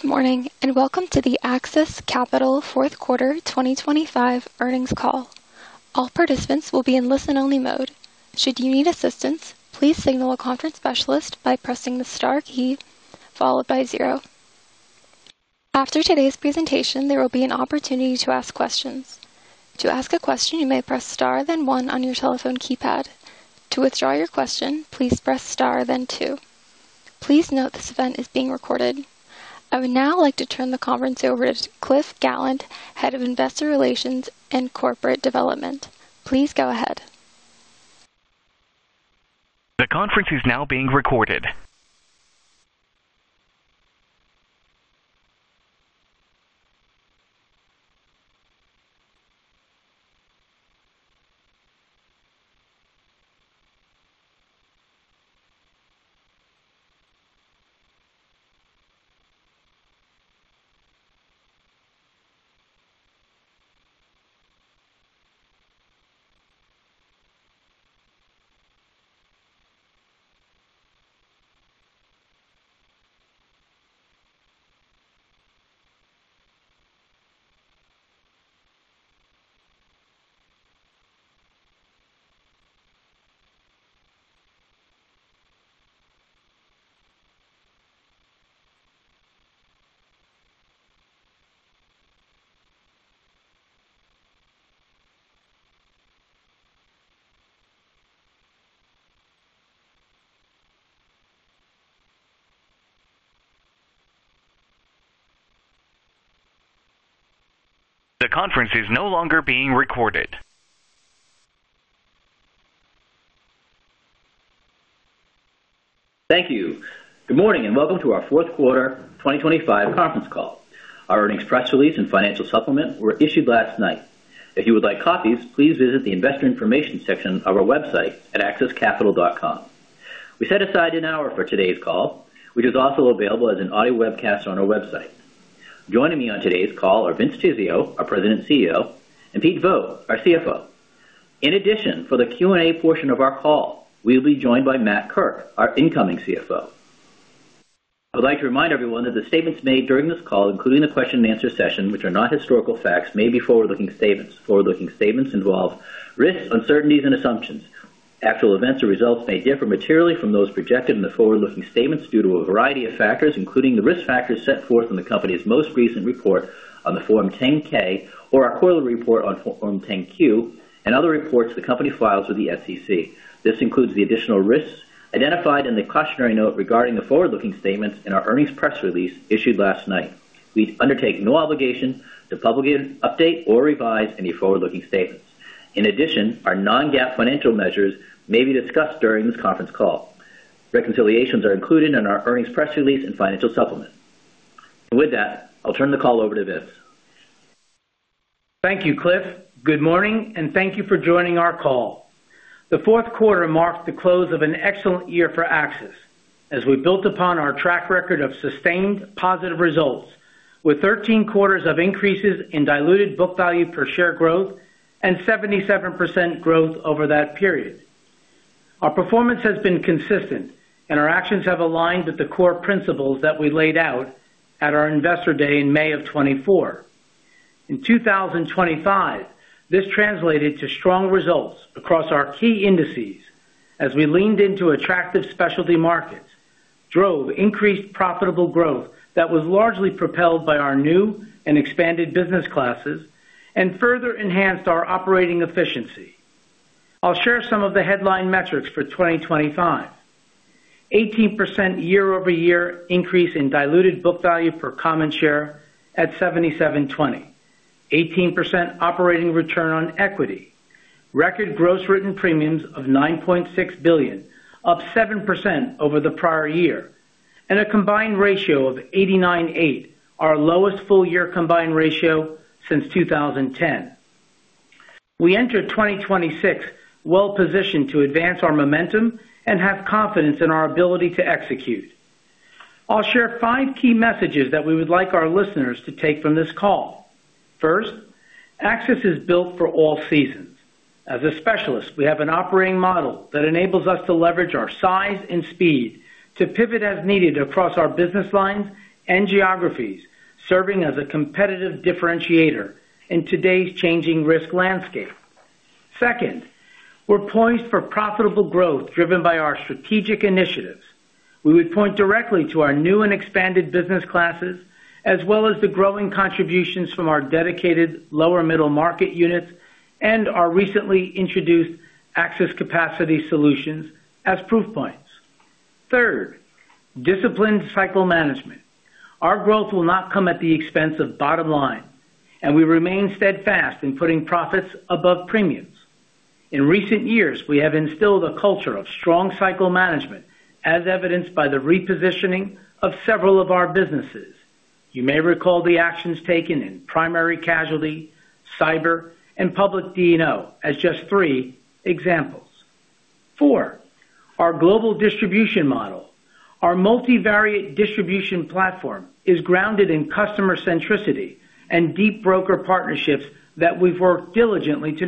Good morning, and welcome to the AXIS Capital fourth quarter 2025 earnings call. All participants will be in listen-only mode. Should you need assistance, please signal a conference specialist by pressing the star key, followed by zero. After today's presentation, there will be an opportunity to ask questions. To ask a question, you may press star, then one on your telephone keypad. To withdraw your question, please press star, then two. Please note this event is being recorded. I would now like to turn the conference over to Cliff Gallant, Head of Investor Relations and Corporate Development. Please go ahead. Thank you. Good morning, and welcome to our fourth quarter 2025 conference call. Our earnings press release and financial supplement were issued last night. If you would like copies, please visit the Investor Information section of our website at axiscapital.com. We set aside an hour for today's call, which is also available as an audio webcast on our website. Joining me on today's call are Vince Tizzio, our President and CEO, and Pete Vogt, our CFO. In addition, for the Q&A portion of our call, we'll be joined by Matt Kirk, our incoming CFO. I would like to remind everyone that the statements made during this call, including the question-and-answer session, which are not historical facts, may be forward-looking statements. Forward-looking statements involve risks, uncertainties, and assumptions. Actual events or results may differ materially from those projected in the forward-looking statements due to a variety of factors, including the risk factors set forth in the company's most recent report on the Form 10-K or our quarterly report on Form 10-Q and other reports the company files with the SEC. This includes the additional risks identified in the cautionary note regarding the forward-looking statements in our earnings press release issued last night. We undertake no obligation to publicly update or revise any forward-looking statements. In addition, our non-GAAP financial measures may be discussed during this conference call. Reconciliations are included in our earnings press release and financial supplement. With that, I'll turn the call over to Vince. Thank you, Cliff. Good morning, and thank you for joining our call. The fourth quarter marks the close of an excellent year for AXIS as we built upon our track record of sustained positive results with 13 quarters of increases in diluted book value per share growth and 77% growth over that period. Our performance has been consistent, and our actions have aligned with the core principles that we laid out at our Investor Day in May of 2024. In 2025, this translated to strong results across our key indices as we leaned into attractive specialty markets, drove increased profitable growth that was largely propelled by our new and expanded business classes, and further enhanced our operating efficiency. I'll share some of the headline metrics for 2025. 18% year-over-year increase in diluted book value per common share at $77.20, 18% operating return on equity, record gross written premiums of $9.6 billion, up 7% over the prior year, and a combined ratio of 89.8, our lowest full-year combined ratio since 2010. We entered 2026 well-positioned to advance our momentum and have confidence in our ability to execute. I'll share five key messages that we would like our listeners to take from this call. First, AXIS is built for all seasons. As a specialist, we have an operating model that enables us to leverage our size and speed to pivot as needed across our business lines and geographies, serving as a competitive differentiator in today's changing risk landscape. Second, we're poised for profitable growth driven by our strategic initiatives. We would point directly to our new and expanded business classes, as well as the growing contributions from our dedicated lower middle market units and our recently introduced AXIS Capacity Solutions as proof points. Third, disciplined cycle management. Our growth will not come at the expense of bottom line, and we remain steadfast in putting profits above premiums. In recent years, we have instilled a culture of strong cycle management, as evidenced by the repositioning of several of our businesses. You may recall the actions taken in Primary Casualty, Cyber, and Public D&O as just three examples. Four, our global distribution model. Our multivariate distribution platform is grounded in customer centricity and deep broker partnerships that we've worked diligently to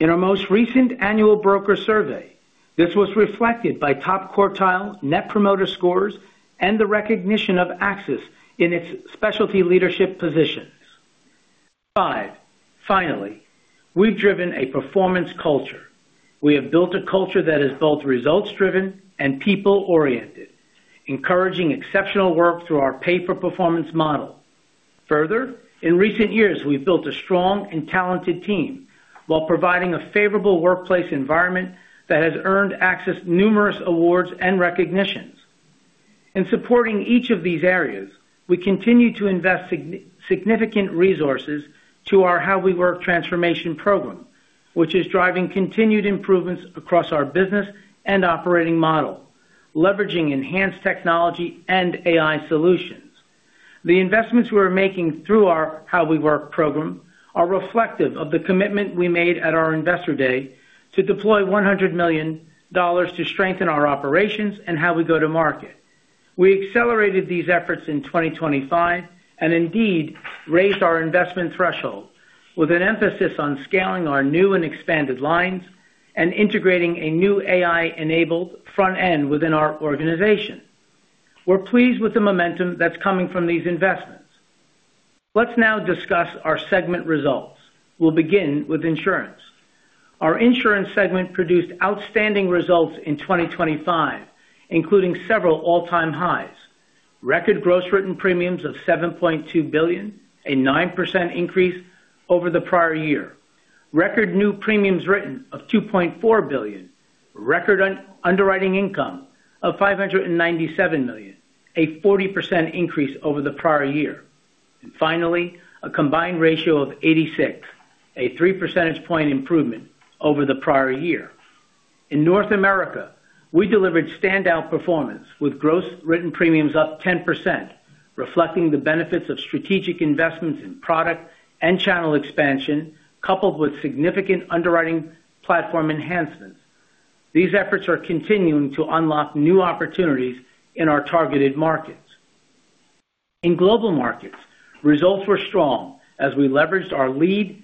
nurture....In our most recent annual broker survey, this was reflected by top-quartile net promoter scores and the recognition of AXIS in its specialty leadership positions. Five, finally, we've driven a performance culture. We have built a culture that is both results-driven and people-oriented, encouraging exceptional work through our pay-for-performance model. Further, in recent years, we've built a strong and talented team while providing a favorable workplace environment that has earned AXIS numerous awards and recognitions. In supporting each of these areas, we continue to invest significant resources to our How We Work transformation program, which is driving continued improvements across our business and operating model, leveraging enhanced technology and AI solutions. The investments we're making through our How We Work program are reflective of the commitment we made at our Investor Day to deploy $100 million to strengthen our operations and how we go to market. We accelerated these efforts in 2025, and indeed, raised our investment threshold, with an emphasis on scaling our new and expanded lines and integrating a new AI-enabled front end within our organization. We're pleased with the momentum that's coming from these investments. Let's now discuss our segment results. We'll begin with insurance. Our insurance segment produced outstanding results in 2025, including several all-time highs. Record gross written premiums of $7.2 billion, a 9% increase over the prior year. Record new premiums written of $2.4 billion. Record underwriting income of $597 million, a 40% increase over the prior year. And finally, a combined ratio of 86, a three percentage point improvement over the prior year. In North America, we delivered standout performance, with gross written premiums up 10%, reflecting the benefits of strategic investments in product and channel expansion, coupled with significant underwriting platform enhancements. These efforts are continuing to unlock new opportunities in our targeted markets. In global markets, results were strong as we leveraged our lead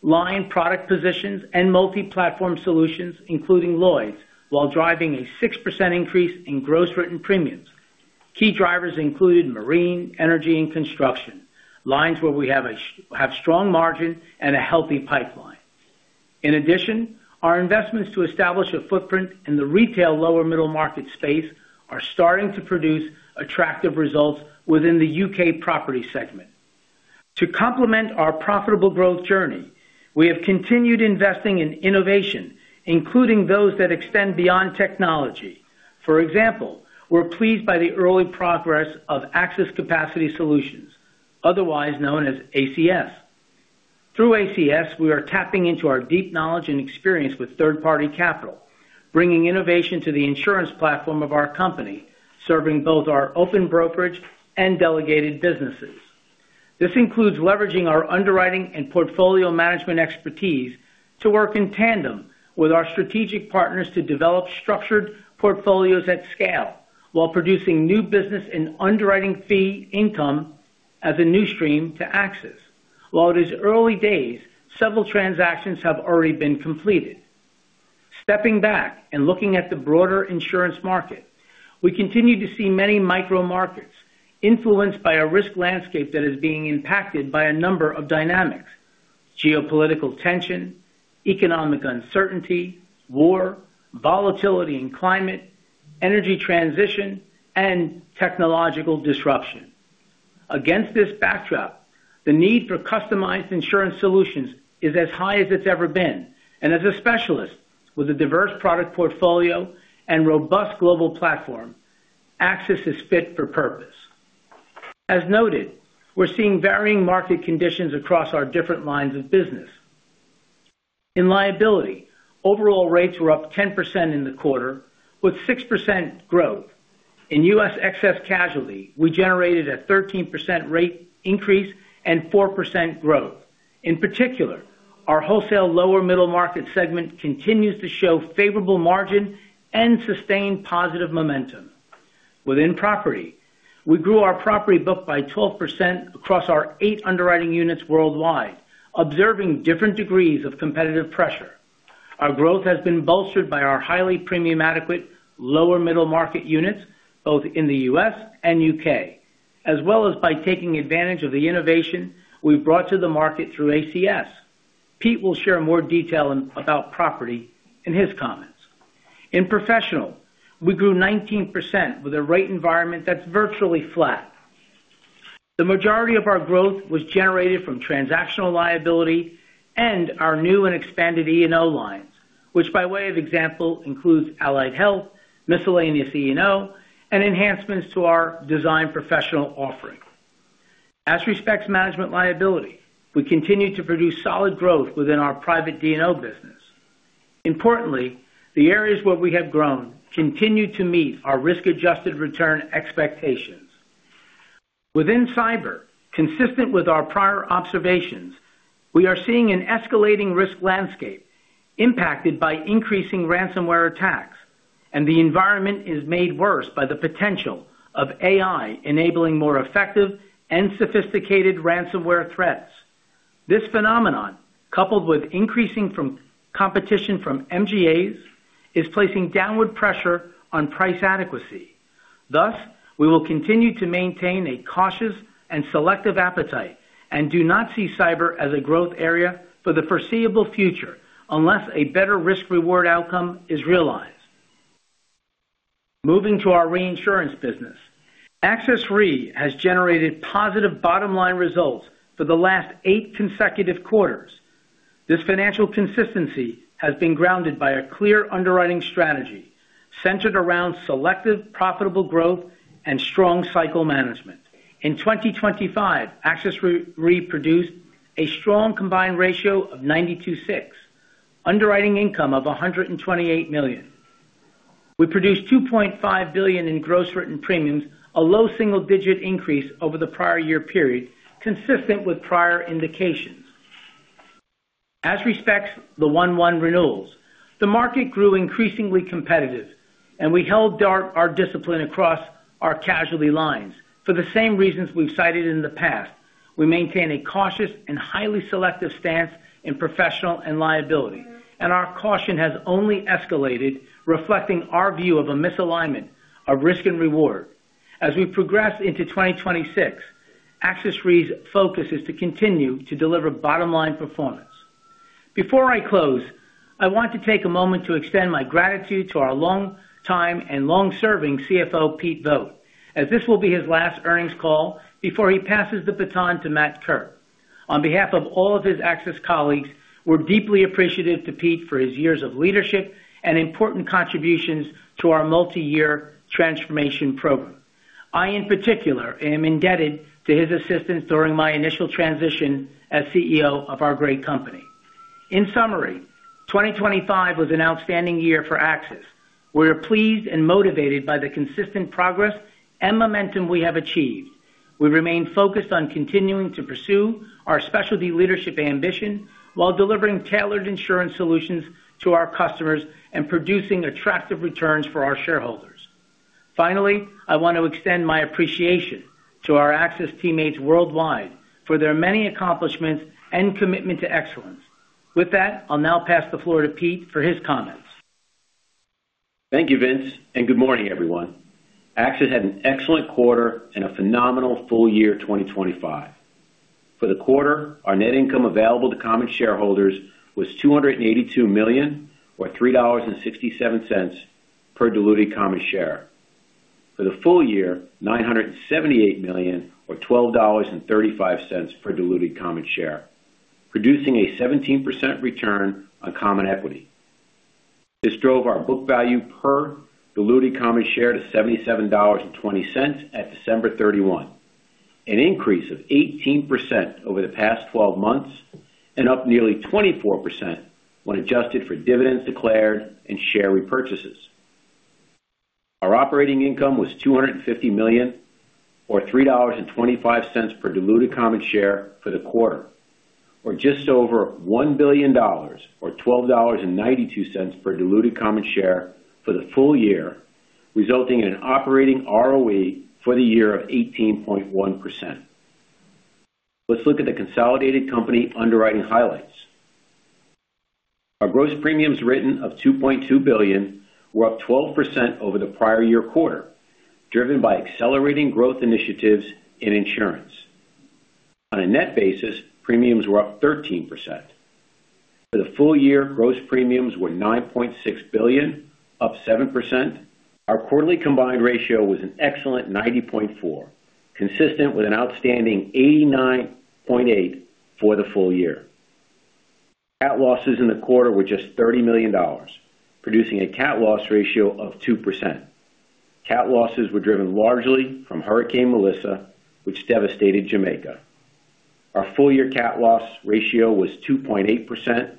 line product positions and multi-platform solutions, including Lloyd's, while driving a 6% increase in gross written premiums. Key drivers included Marine, Energy, and Construction, lines where we have strong margin and a healthy pipeline. In addition, our investments to establish a footprint in the retail lower middle market space are starting to produce attractive results within the U.K. Property segment. To complement our profitable growth journey, we have continued investing in innovation, including those that extend beyond technology. For example, we're pleased by the early progress of AXIS Capacity Solutions, otherwise known as ACS. Through ACS, we are tapping into our deep knowledge and experience with third-party capital, bringing innovation to the insurance platform of our company, serving both our open brokerage and delegated businesses. This includes leveraging our underwriting and portfolio management expertise to work in tandem with our strategic partners to develop structured portfolios at scale while producing new business and underwriting fee income as a new stream to AXIS. While it is early days, several transactions have already been completed. Stepping back and looking at the broader insurance market, we continue to see many micro markets influenced by a risk landscape that is being impacted by a number of dynamics: geopolitical tension, economic uncertainty, war, volatility in climate, energy transition, and technological disruption. Against this backdrop, the need for customized insurance solutions is as high as it's ever been, and as a specialist with a diverse product portfolio and robust global platform, AXIS is fit for purpose. As noted, we're seeing varying market conditions across our different lines of business. In liability, overall rates were up 10% in the quarter, with 6% growth. In U.S. Excess Casualty, we generated a 13% rate increase and 4% growth. In particular, our wholesale lower middle market segment continues to show favorable margin and sustained positive momentum. Within property, we grew our property book by 12% across our eight underwriting units worldwide, observing different degrees of competitive pressure. Our growth has been bolstered by our highly premium-adequate, lower middle market units, both in the U.S. and U.K., as well as by taking advantage of the innovation we've brought to the market through ACS. Pete will share more detail in about property in his comments. In professional, we grew 19% with a rate environment that's virtually flat. The majority of our growth was generated from Transactional Liability and our new and expanded E&O lines, which by way of example, includes Allied Health, Miscellaneous E&O, and enhancements to our Design Professional offering. As respects management liability, we continue to produce solid growth within our Private D&O business. Importantly, the areas where we have grown continue to meet our risk-adjusted return expectations. Within cyber, consistent with our prior observations, we are seeing an escalating risk landscape impacted by increasing ransomware attacks. The environment is made worse by the potential of AI, enabling more effective and sophisticated ransomware threats. This phenomenon, coupled with increasing competition from MGAs, is placing downward pressure on price adequacy. Thus, we will continue to maintain a cautious and selective appetite, and do not see cyber as a growth area for the foreseeable future, unless a better risk-reward outcome is realized. Moving to our reinsurance business, AXIS Re has generated positive bottom-line results for the last eight consecutive quarters. This financial consistency has been grounded by a clear underwriting strategy centered around selective, profitable growth and strong cycle management. In 2025, AXIS Re produced a strong combined ratio of 92.6, underwriting income of $128 million. We produced $2.5 billion in gross written premiums, a low single-digit increase over the prior year period, consistent with prior indications. As respects the 1/1 renewals, the market grew increasingly competitive, and we held to our discipline across our casualty lines. For the same reasons we've cited in the past, we maintain a cautious and highly selective stance in professional and liability, and our caution has only escalated, reflecting our view of a misalignment of risk and reward. As we progress into 2026, AXIS Re's focus is to continue to deliver bottom-line performance. Before I close, I want to take a moment to extend my gratitude to our longtime and long-serving CFO, Pete Vogt, as this will be his last earnings call before he passes the baton to Matt Kirk. On behalf of all of his AXIS colleagues, we're deeply appreciative to Pete for his years of leadership and important contributions to our multi-year transformation program. I, in particular, am indebted to his assistance during my initial transition as CEO of our great company. In summary, 2025 was an outstanding year for AXIS. We are pleased and motivated by the consistent progress and momentum we have achieved. We remain focused on continuing to pursue our specialty leadership ambition, while delivering tailored insurance solutions to our customers and producing attractive returns for our shareholders. Finally, I want to extend my appreciation to our AXIS teammates worldwide for their many accomplishments and commitment to excellence. With that, I'll now pass the floor to Pete for his comments. Thank you, Vince, and good morning, everyone. AXIS had an excellent quarter and a phenomenal full year, 2025. For the quarter, our net income available to common shareholders was $282 million, or $3.67 per diluted common share. For the full year, $978 million, or $12.35 per diluted common share, producing a 17% return on common equity. This drove our book value per diluted common share to $77.20 at December 31, an increase of 18% over the past 12 months, and up nearly 24% when adjusted for dividends declared and share repurchases. Our operating income was $250 million, or $3.25 per diluted common share for the quarter, or just over $1 billion, or $12.92 per diluted common share for the full year, resulting in an operating ROE for the year of 18.1%. Let's look at the consolidated company underwriting highlights. Our gross premiums written of $2.2 billion were up 12% over the prior year quarter, driven by accelerating growth initiatives in insurance. On a net basis, premiums were up 13%. For the full year, gross premiums were $9.6 billion, up 7%. Our quarterly combined ratio was an excellent 90.4, consistent with an outstanding 89.8 for the full year. Cat losses in the quarter were just $30 million, producing a cat loss ratio of 2%. Cat losses were driven largely from Hurricane Melissa, which devastated Jamaica. Our full-year cat loss ratio was 2.8%.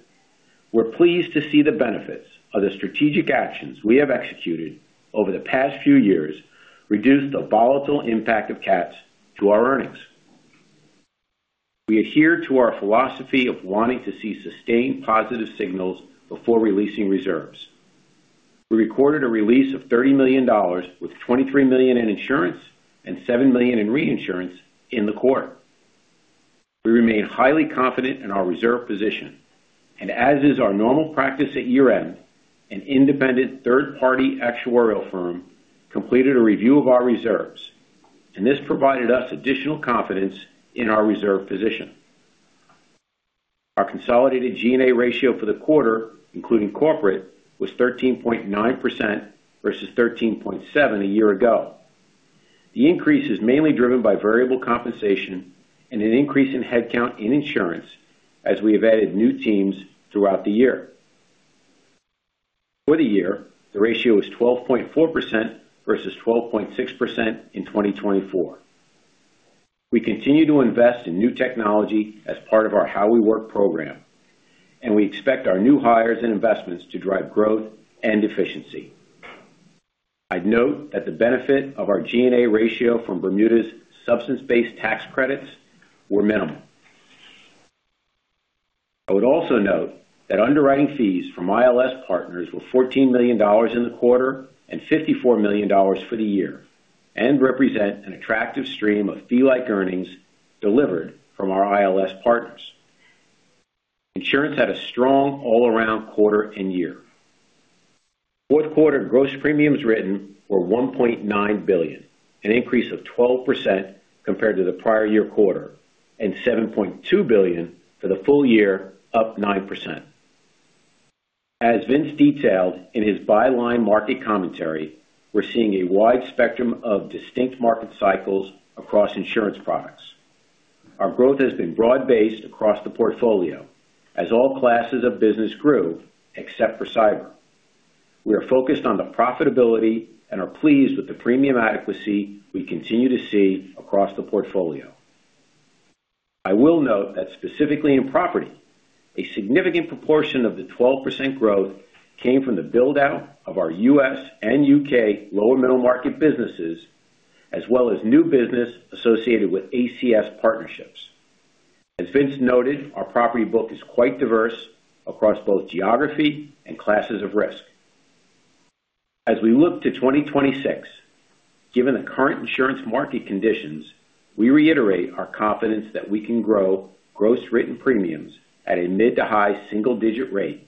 We're pleased to see the benefits of the strategic actions we have executed over the past few years, reduced the volatile impact of cats to our earnings. We adhere to our philosophy of wanting to see sustained positive signals before releasing reserves. We recorded a release of $30 million, with $23 million in insurance and $7 million in reinsurance in the quarter. We remain highly confident in our reserve position, and as is our normal practice at year-end, an independent third-party actuarial firm completed a review of our reserves, and this provided us additional confidence in our reserve position. Our consolidated G&A ratio for the quarter, including corporate, was 13.9% versus 13.7% a year ago. The increase is mainly driven by variable compensation and an increase in headcount in insurance, as we have added new teams throughout the year. For the year, the ratio is 12.4% versus 12.6% in 2024. We continue to invest in new technology as part of our How We Work program, and we expect our new hires and investments to drive growth and efficiency. I'd note that the benefit of our G&A ratio from Bermuda's substance-based tax credits were minimal. I would also note that underwriting fees from ILS partners were $14 million in the quarter and $54 million for the year, and represent an attractive stream of fee-like earnings delivered from our ILS partners. Insurance had a strong all-around quarter and year. Fourth quarter gross premiums written were $1.9 billion, an increase of 12% compared to the prior-year quarter, and $7.2 billion for the full year, up 9%. As Vince detailed in his by-line market commentary, we're seeing a wide spectrum of distinct market cycles across insurance products. Our growth has been broad-based across the portfolio as all classes of business grew, except for cyber. We are focused on the profitability and are pleased with the premium adequacy we continue to see across the portfolio. I will note that specifically in property, a significant proportion of the 12% growth came from the build-out of our U.S. and U.K. lower middle market businesses, as well as new business associated with ACS partnerships. As Vince noted, our property book is quite diverse across both geography and classes of risk. As we look to 2026, given the current insurance market conditions, we reiterate our confidence that we can grow gross written premiums at a mid- to high single-digit rate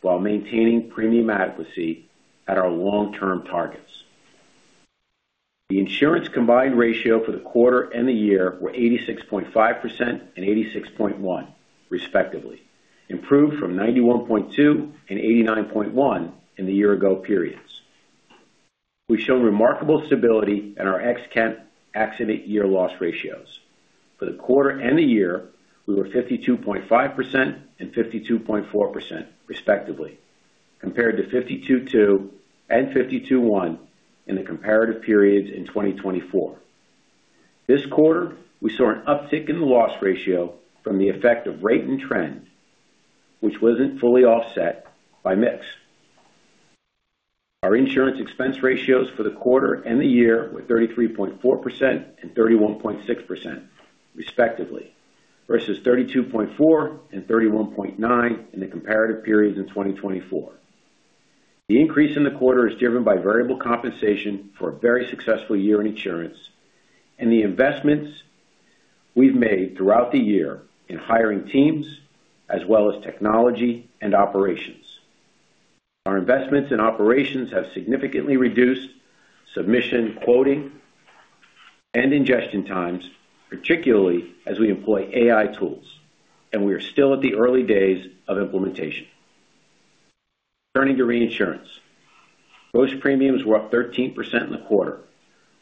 while maintaining premium adequacy at our long-term targets. The insurance combined ratio for the quarter and the year were 86.5% and 86.1%, respectively, improved from 91.2% and 89.1% in the year-ago periods. We've shown remarkable stability in our ex-cat accident year loss ratios. For the quarter and the year, we were 52.5% and 52.4%, respectively, compared to 52.2% and 52.1% in the comparative periods in 2024. This quarter, we saw an uptick in the loss ratio from the effect of rate and trend, which wasn't fully offset by mix. Our insurance expense ratios for the quarter and the year were 33.4% and 31.6%, respectively, versus 32.4% and 31.9% in the comparative periods in 2024. The increase in the quarter is driven by variable compensation for a very successful year in insurance and the investments we've made throughout the year in hiring teams, as well as technology and operations. Our investments in operations have significantly reduced submission, quoting, and ingestion times, particularly as we employ AI tools, and we are still at the early days of implementation. Turning to reinsurance. Gross premiums were up 13% in the quarter.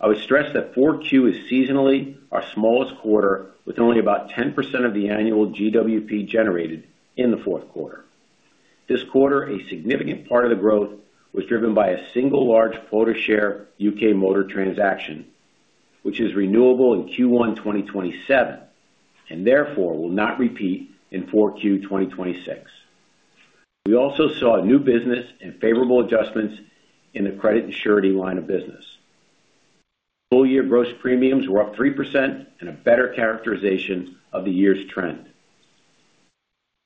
I would stress that 4Q is seasonally our smallest quarter, with only about 10% of the annual GWP generated in the fourth quarter. This quarter, a significant part of the growth was driven by a single large quota share U.K. Motor transaction, which is renewable in Q1 2027, and therefore will not repeat in 4Q 2026. We also saw new business and favorable adjustments in the Credit and Surety line of business. Full-year gross premiums were up 3% and a better characterization of the year's trend.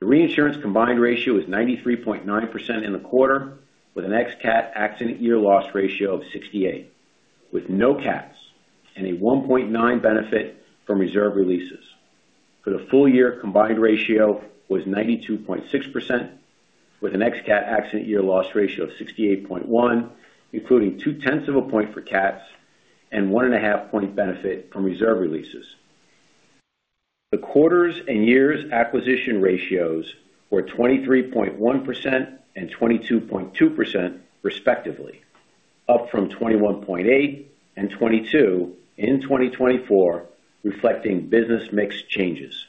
The reinsurance combined ratio is 93.9% in the quarter, with an ex-cat accident year loss ratio of 68, with no cats and a 1.9 benefit from reserve releases. For the full year, combined ratio was 92.6%, with an ex-cat accident year loss ratio of 68.1, including two-tenths of a point for cats and one and a half point benefit from reserve releases. The quarters and years acquisition ratios were 23.1% and 22.2% respectively, up from 21.8% and 22% in 2024, reflecting business mix changes.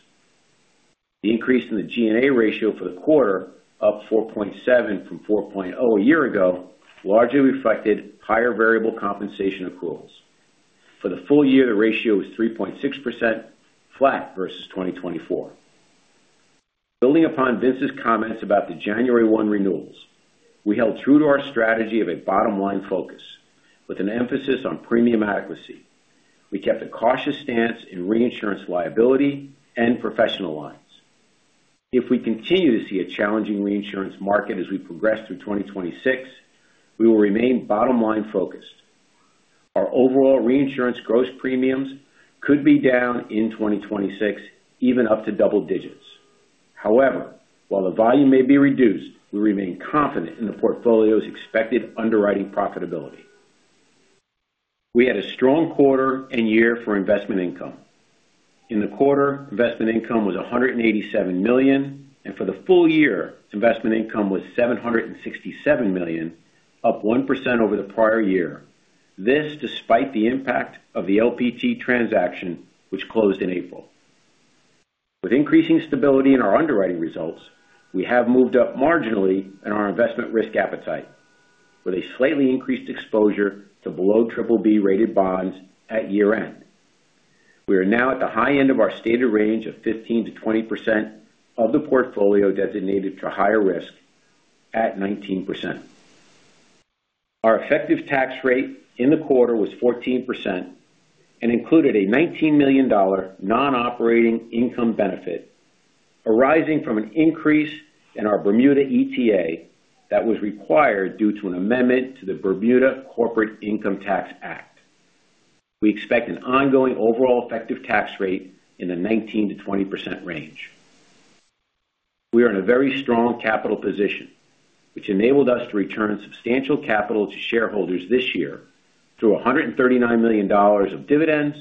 The increase in the G&A ratio for the quarter, up 4.7 from 4.0 a year ago, largely reflected higher variable compensation accruals. For the full year, the ratio was 3.6%, flat versus 2024. Building upon Vince's comments about the January 1 renewals, we held true to our strategy of a bottom-line focus, with an emphasis on premium adequacy. We kept a cautious stance in reinsurance, liability, and professional lines. If we continue to see a challenging reinsurance market as we progress through 2026, we will remain bottom line focused. Our overall reinsurance gross premiums could be down in 2026, even up to double digits. However, while the volume may be reduced, we remain confident in the portfolio's expected underwriting profitability. We had a strong quarter and year for investment income. In the quarter, investment income was $187 million, and for the full year, investment income was $767 million, up 1% over the prior year. This, despite the impact of the LPT transaction, which closed in April. With increasing stability in our underwriting results, we have moved up marginally in our investment risk appetite, with a slightly increased exposure to below BBB-rated bonds at year-end. We are now at the high end of our stated range of 15%-20% of the portfolio designated for higher risk at 19%....Our effective tax rate in the quarter was 14% and included a $19 million non-operating income benefit, arising from an increase in our Bermuda DTA that was required due to an amendment to the Bermuda Corporate Income Tax Act. We expect an ongoing overall effective tax rate in the 19%-20% range. We are in a very strong capital position, which enabled us to return substantial capital to shareholders this year through $139 million of dividends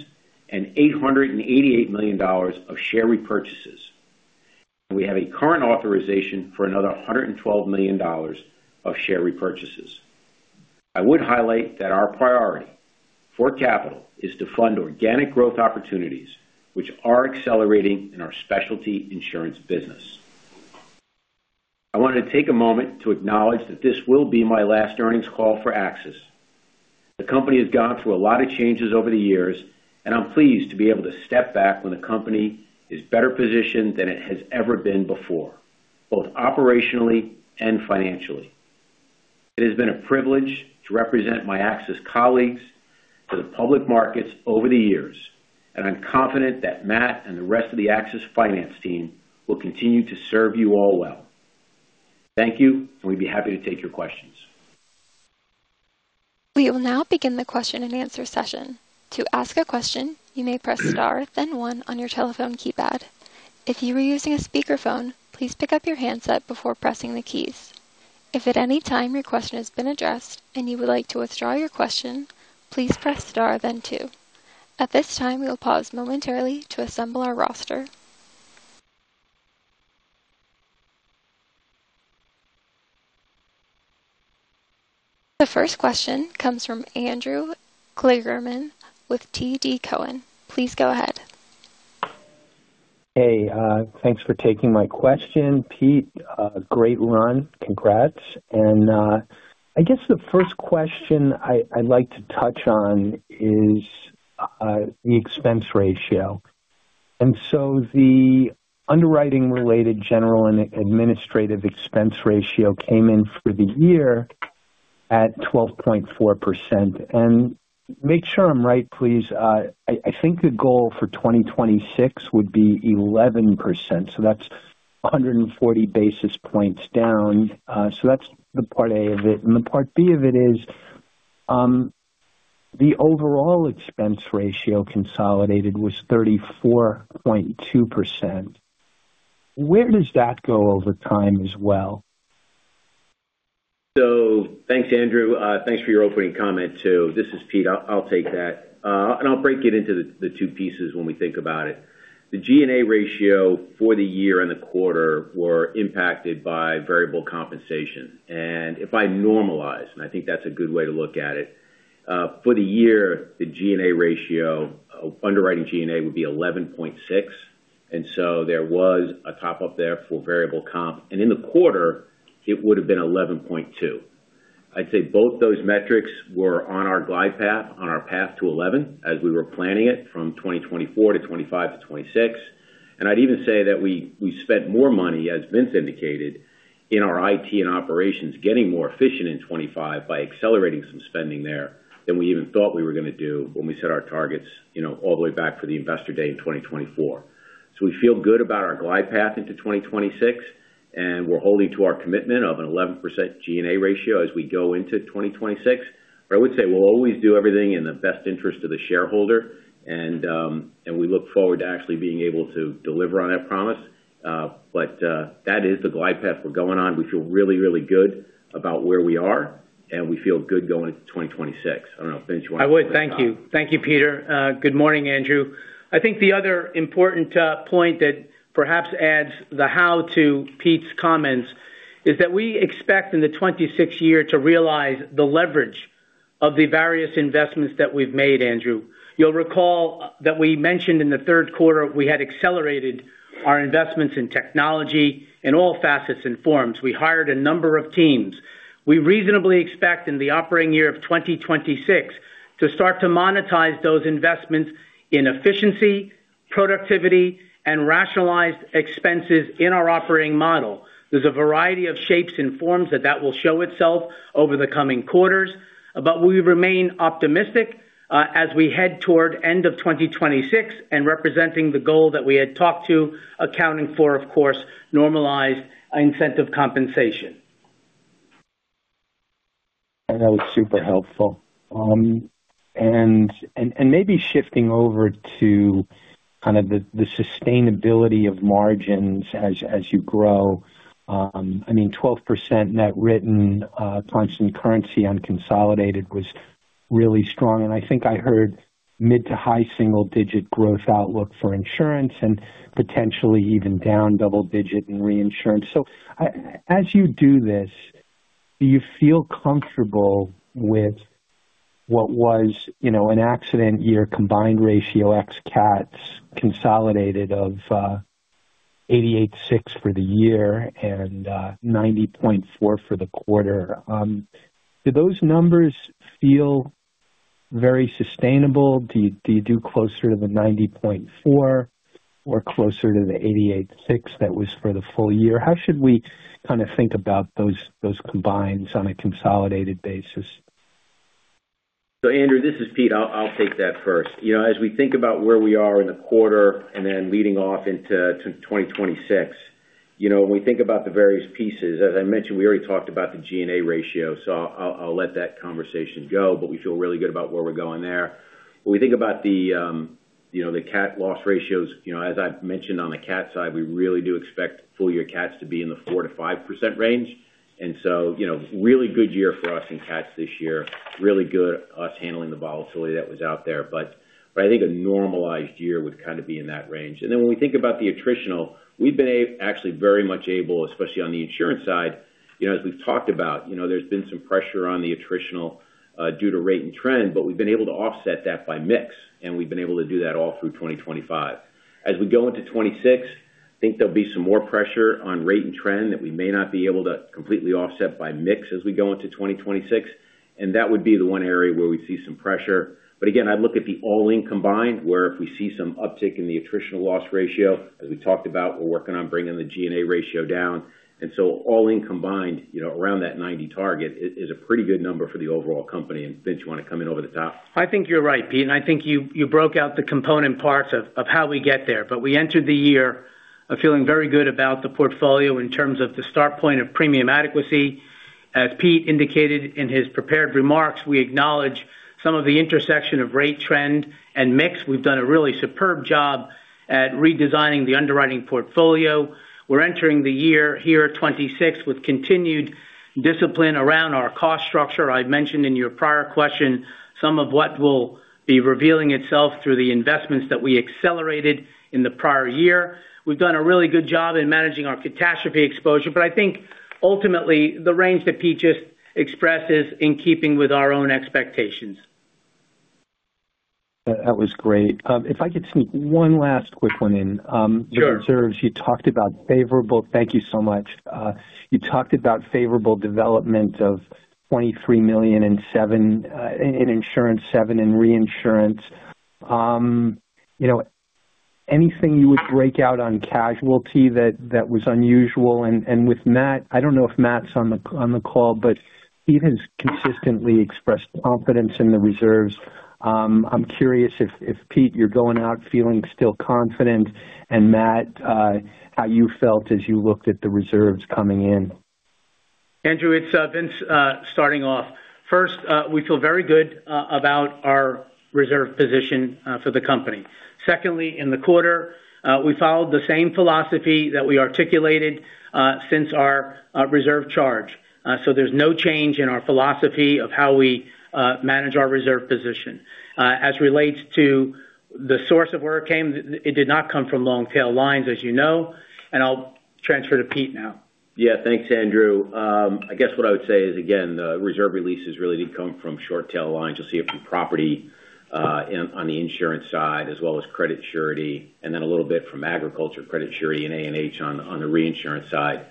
and $888 million of share repurchases. We have a current authorization for another $112 million of share repurchases. I would highlight that our priority for capital is to fund organic growth opportunities, which are accelerating in our specialty insurance business. I wanted to take a moment to acknowledge that this will be my last earnings call for AXIS. The company has gone through a lot of changes over the years, and I'm pleased to be able to step back when the company is better positioned than it has ever been before, both operationally and financially. It has been a privilege to represent my AXIS colleagues to the public markets over the years, and I'm confident that Matt and the rest of the AXIS finance team will continue to serve you all well. Thank you, and we'd be happy to take your questions. We will now begin the question-and-answer session. To ask a question, you may press star, then one on your telephone keypad. If you are using a speakerphone, please pick up your handset before pressing the keys. If at any time your question has been addressed and you would like to withdraw your question, please press star then two. At this time, we will pause momentarily to assemble our roster. The first question comes from Andrew Kligerman with TD Cowen. Please go ahead. Hey, thanks for taking my question, Pete. Great run. Congrats. And I guess the first question I'd like to touch on is the expense ratio. And so the underwriting-related general and administrative expense ratio came in for the year at 12.4%. And make sure I'm right, please, I think the goal for 2026 would be 11%, so that's 140 basis points down. So that's the part A of it. And the part B of it is the overall expense ratio consolidated was 34.2%. Where does that go over time as well? So thanks, Andrew. Thanks for your opening comment, too. This is Pete. I'll take that, and I'll break it into the two pieces when we think about it. The G&A ratio for the year and the quarter were impacted by variable compensation. And if I normalize, and I think that's a good way to look at it, for the year, the G&A ratio, underwriting G&A would be 11.6, and so there was a top-up there for variable comp, and in the quarter, it would have been 11.2. I'd say both those metrics were on our glide path, on our path to 11 as we were planning it from 2024 to 2025 to 2026. I'd even say that we, we spent more money, as Vince indicated, in our IT and operations, getting more efficient in 2025 by accelerating some spending there than we even thought we were going to do when we set our targets, you know, all the way back for the Investor Day in 2024. So we feel good about our glide path into 2026, and we're holding to our commitment of an 11% G&A ratio as we go into 2026. But I would say we'll always do everything in the best interest of the shareholder, and we look forward to actually being able to deliver on that promise. But that is the glide path we're going on. We feel really, really good about where we are, and we feel good going into 2026. I don't know, Vince, you want to- I would. Thank you. Thank you, Peter. Good morning, Andrew. I think the other important point that perhaps adds the how to Pete's comments is that we expect in the 2026 year to realize the leverage of the various investments that we've made, Andrew. You'll recall that we mentioned in the third quarter we had accelerated our investments in technology in all facets and forms. We hired a number of teams. We reasonably expect in the operating year of 2026 to start to monetize those investments in efficiency, productivity, and rationalize expenses in our operating model. There's a variety of shapes and forms that, that will show itself over the coming quarters, but we remain optimistic, as we head toward end of 2026 and representing the goal that we had talked to, accounting for, of course, normalized incentive compensation. That was super helpful. And maybe shifting over to kind of the sustainability of margins as you grow. I mean, 12% net written constant currency unconsolidated was really strong, and I think I heard mid- to high single-digit growth outlook for insurance and potentially even low double-digit in reinsurance. So as you do this, do you feel comfortable with what was, you know, an accident year combined ratio ex cats consolidated of 88.6 for the year and 90.4 for the quarter? Do those numbers feel very sustainable? Do you do closer to the 90.4 or closer to the 88.6 that was for the full year? How should we kind of think about those combines on a consolidated basis? So, Andrew, this is Pete. I'll take that first. You know, as we think about where we are in the quarter and then leading off into 2026, you know, when we think about the various pieces, as I mentioned, we already talked about the G&A ratio, so I'll let that conversation go. But we feel really good about where we're going there. When we think about the, you know, the cat loss ratios, you know, as I've mentioned on the cat side, we really do expect full year cats to be in the 4%-5% range. And so, you know, really good year for us in cats this year. Really good us handling the volatility that was out there. But I think a normalized year would kind of be in that range. Then when we think about the attritional, we've been actually very much able, especially on the insurance side, you know, as we've talked about, you know, there's been some pressure on the attritional due to rate and trend, but we've been able to offset that by mix, and we've been able to do that all through 2025. As we go into 2026, I think there'll be some more pressure on rate and trend that we may not be able to completely offset by mix as we go into 2026, and that would be the one area where we'd see some pressure. But again, I'd look at the all-in combined, where if we see some uptick in the attritional loss ratio, as we talked about, we're working on bringing the G&A ratio down. All-in combined, you know, around that 90 target is a pretty good number for the overall company. Vince, you want to come in over the top? I think you're right, Pete, and I think you, you broke out the component parts of, of how we get there. But we entered the year of feeling very good about the portfolio in terms of the start point of premium adequacy. As Pete indicated in his prepared remarks, we acknowledge some of the intersection of rate, trend, and mix. We've done a really superb job at redesigning the underwriting portfolio. We're entering the year here at 2026, with continued discipline around our cost structure. I've mentioned in your prior question some of what will be revealing itself through the investments that we accelerated in the prior year. We've done a really good job in managing our catastrophe exposure, but I think ultimately the range that Pete just expressed is in keeping with our own expectations. That was great. If I could sneak one last quick one in, Sure. With reserves, you talked about favorable... Thank you so much. You talked about favorable development of $23 million in insurance, $7 million in reinsurance. You know, anything you would break out on casualty that was unusual? And with Matt, I don't know if Matt's on the call, but he has consistently expressed confidence in the reserves. I'm curious if, Pete, you're going out feeling still confident, and Matt, how you felt as you looked at the reserves coming in. Andrew, it's Vince starting off. First, we feel very good about our reserve position for the company. Secondly, in the quarter, we followed the same philosophy that we articulated since our reserve charge. So there's no change in our philosophy of how we manage our reserve position. As relates to the source of where it came, it did not come from long-tail lines, as you know, and I'll transfer to Pete now. Yeah, thanks, Andrew. I guess what I would say is, again, the reserve releases really did come from short-tail lines. You'll see it from property, and on the insurance side, as well as credit Surety, and then a little bit from Agriculture credit Surety and A&H on the reinsurance side.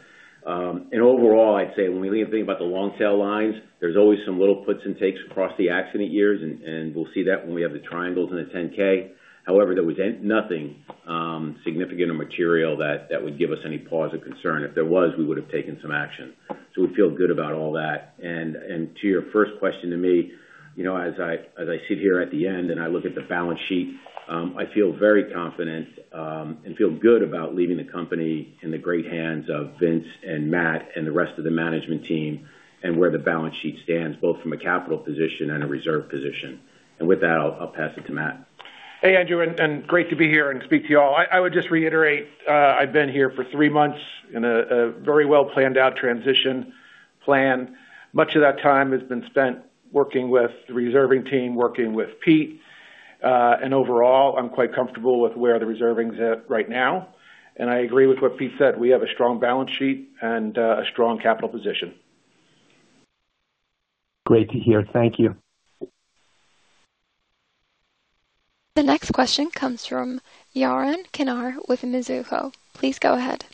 And overall, I'd say when we leave thinking about the long-tail lines, there's always some little puts and takes across the accident years, and we'll see that when we have the triangles in the 10-K. However, there was nothing significant or material that would give us any pause or concern. If there was, we would have taken some action. So we feel good about all that. To your first question to me, you know, as I sit here at the end and I look at the balance sheet, I feel very confident and feel good about leaving the company in the great hands of Vince and Matt and the rest of the management team, and where the balance sheet stands, both from a capital position and a reserve position. And with that, I'll pass it to Matt. Hey, Andrew, and great to be here and speak to you all. I would just reiterate, I've been here for three months in a very well-planned-out transition plan. Much of that time has been spent working with the reserving team, working with Pete, and overall, I'm quite comfortable with where the reserving's at right now, and I agree with what Pete said. We have a strong balance sheet and a strong capital position. Great to hear. Thank you. The next question comes from Yaron Kinar with Mizuho. Please go ahead.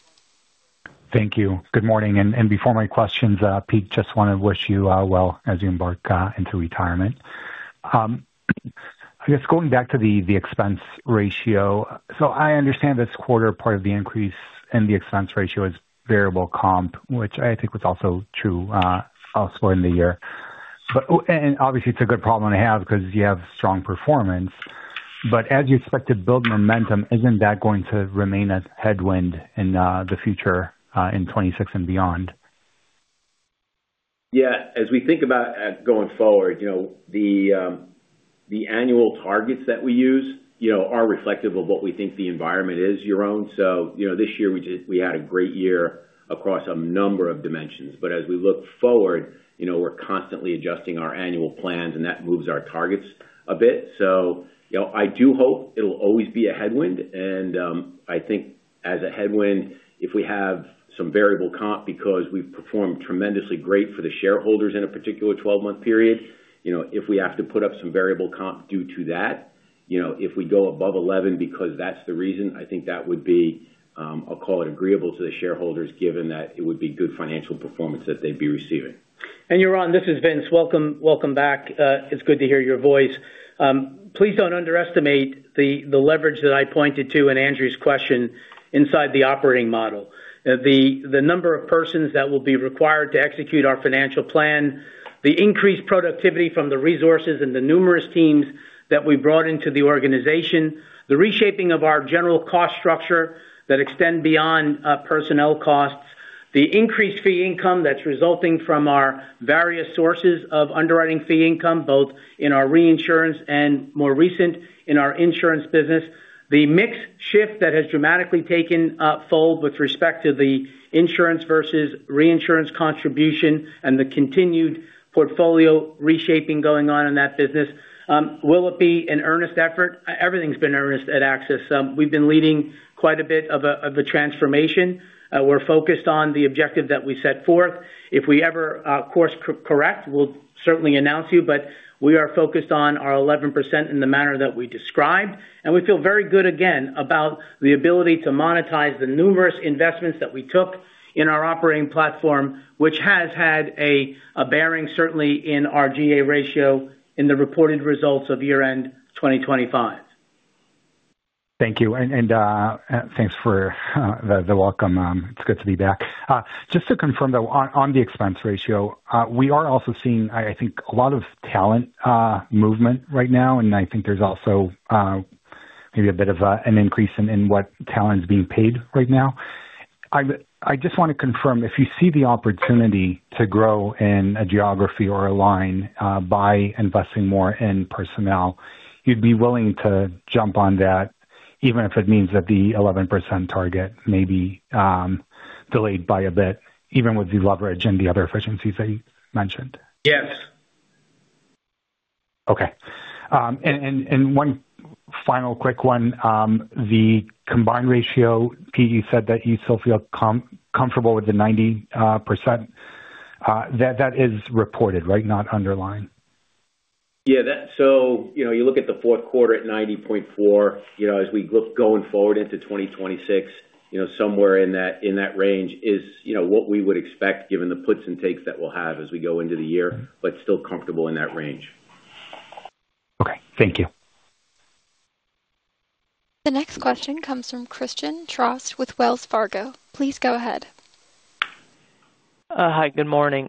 Thank you. Good morning, and before my questions, Pete, just wanted to wish you well, as you embark into retirement. I guess going back to the expense ratio, so I understand this quarter, part of the increase in the expense ratio is variable comp, which I think was also true, also in the year. But and obviously, it's a good problem to have because you have strong performance, but as you expect to build momentum, isn't that going to remain a headwind in the future, in 2026 and beyond? Yeah. As we think about going forward, you know, the annual targets that we use, you know, are reflective of what we think the environment is, Yaron. So, you know, this year we just we had a great year across a number of dimensions, but as we look forward, you know, we're constantly adjusting our annual plans, and that moves our targets a bit. So, you know, I do hope it'll always be a headwind and, I think as a headwind, if we have some variable comp because we've performed tremendously great for the shareholders in a particular twelve-month period, you know, if we have to put up some variable comp due to that... You know, if we go above 11 because that's the reason, I think that would be, I'll call it agreeable to the shareholders, given that it would be good financial performance that they'd be receiving. And Yaron, this is Vince. Welcome, welcome back. It's good to hear your voice. Please don't underestimate the leverage that I pointed to in Andrew's question inside the operating model. The number of persons that will be required to execute our financial plan, the increased productivity from the resources and the numerous teams that we brought into the organization, the reshaping of our general cost structure that extend beyond personnel costs, the increased fee income that's resulting from our various sources of underwriting fee income, both in our reinsurance and more recent in our insurance business. The mix shift that has dramatically taken hold with respect to the insurance versus reinsurance contribution and the continued portfolio reshaping going on in that business. Will it be an earnest effort? Everything's been earnest at AXIS. We've been leading quite a bit of a, of the transformation. We're focused on the objective that we set forth. If we ever, course-correct, we'll certainly announce you, but we are focused on our 11% in the manner that we described, and we feel very good, again, about the ability to monetize the numerous investments that we took in our operating platform, which has had a bearing, certainly in our G&A ratio, in the reported results of year-end 2025. Thank you, thanks for the welcome. It's good to be back. Just to confirm, though, on the expense ratio, we are also seeing, I think, a lot of talent movement right now, and I think there's also maybe a bit of an increase in what talent is being paid right now. I just wanna confirm, if you see the opportunity to grow in a geography or a line by investing more in personnel, you'd be willing to jump on that, even if it means that the 11% target may be delayed by a bit, even with the leverage and the other efficiencies that you mentioned? Yes. Okay, and one final quick one. The combined ratio, Pete, you said that you still feel comfortable with the 90%, that is reported, right? Not underlying. Yeah, that, so you know, you look at the fourth quarter at 90.4%, you know, as we go forward into 2026, you know, somewhere in that, in that range is, you know, what we would expect, given the puts and takes that we'll have as we go into the year, but still comfortable in that range. Okay, thank you. The next question comes from Christian Getzoff with Wells Fargo. Please go ahead. Hi, good morning.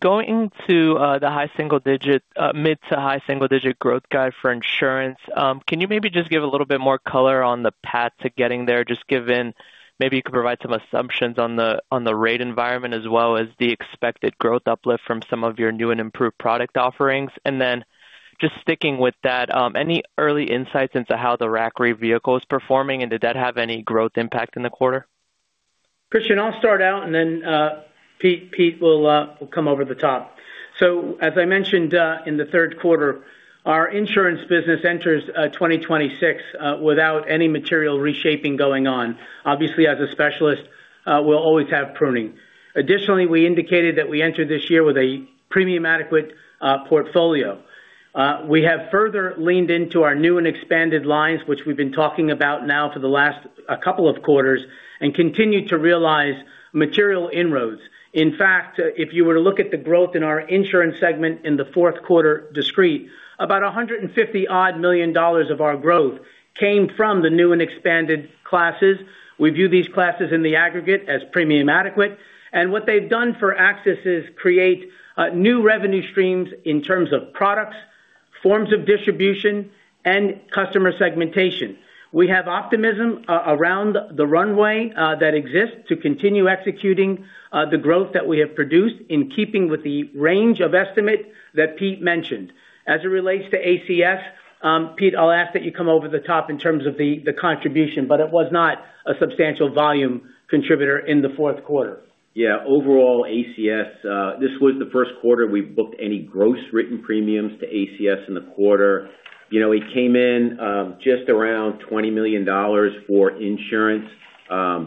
Going to the high single digit, mid to high single digit growth guide for insurance, can you maybe just give a little bit more color on the path to getting there, just given. Maybe you could provide some assumptions on the, on the rate environment, as well as the expected growth uplift from some of your new and improved product offerings? And then just sticking with that, any early insights into how the RAC Re vehicle is performing, and did that have any growth impact in the quarter? Christian, I'll start out, and then, Pete will come over the top. So as I mentioned, in the third quarter, our insurance business enters 2026 without any material reshaping going on. Obviously, as a specialist, we'll always have pruning. Additionally, we indicated that we entered this year with a premium adequate portfolio. We have further leaned into our new and expanded lines, which we've been talking about now for the last couple of quarters, and continue to realize material inroads. In fact, if you were to look at the growth in our insurance segment in the fourth quarter, discrete, about $150 million of our growth came from the new and expanded classes. We view these classes in the aggregate as premium adequate, and what they've done for access is create new revenue streams in terms of products, forms of distribution, and customer segmentation. We have optimism around the runway that exists to continue executing the growth that we have produced, in keeping with the range of estimate that Pete mentioned. As it relates to ACS, Pete, I'll ask that you come over the top in terms of the contribution, but it was not a substantial volume contributor in the fourth quarter. Yeah, overall, ACS, this was the first quarter we've booked any gross written premiums to ACS in the quarter. You know, it came in, just around $20 million for insurance.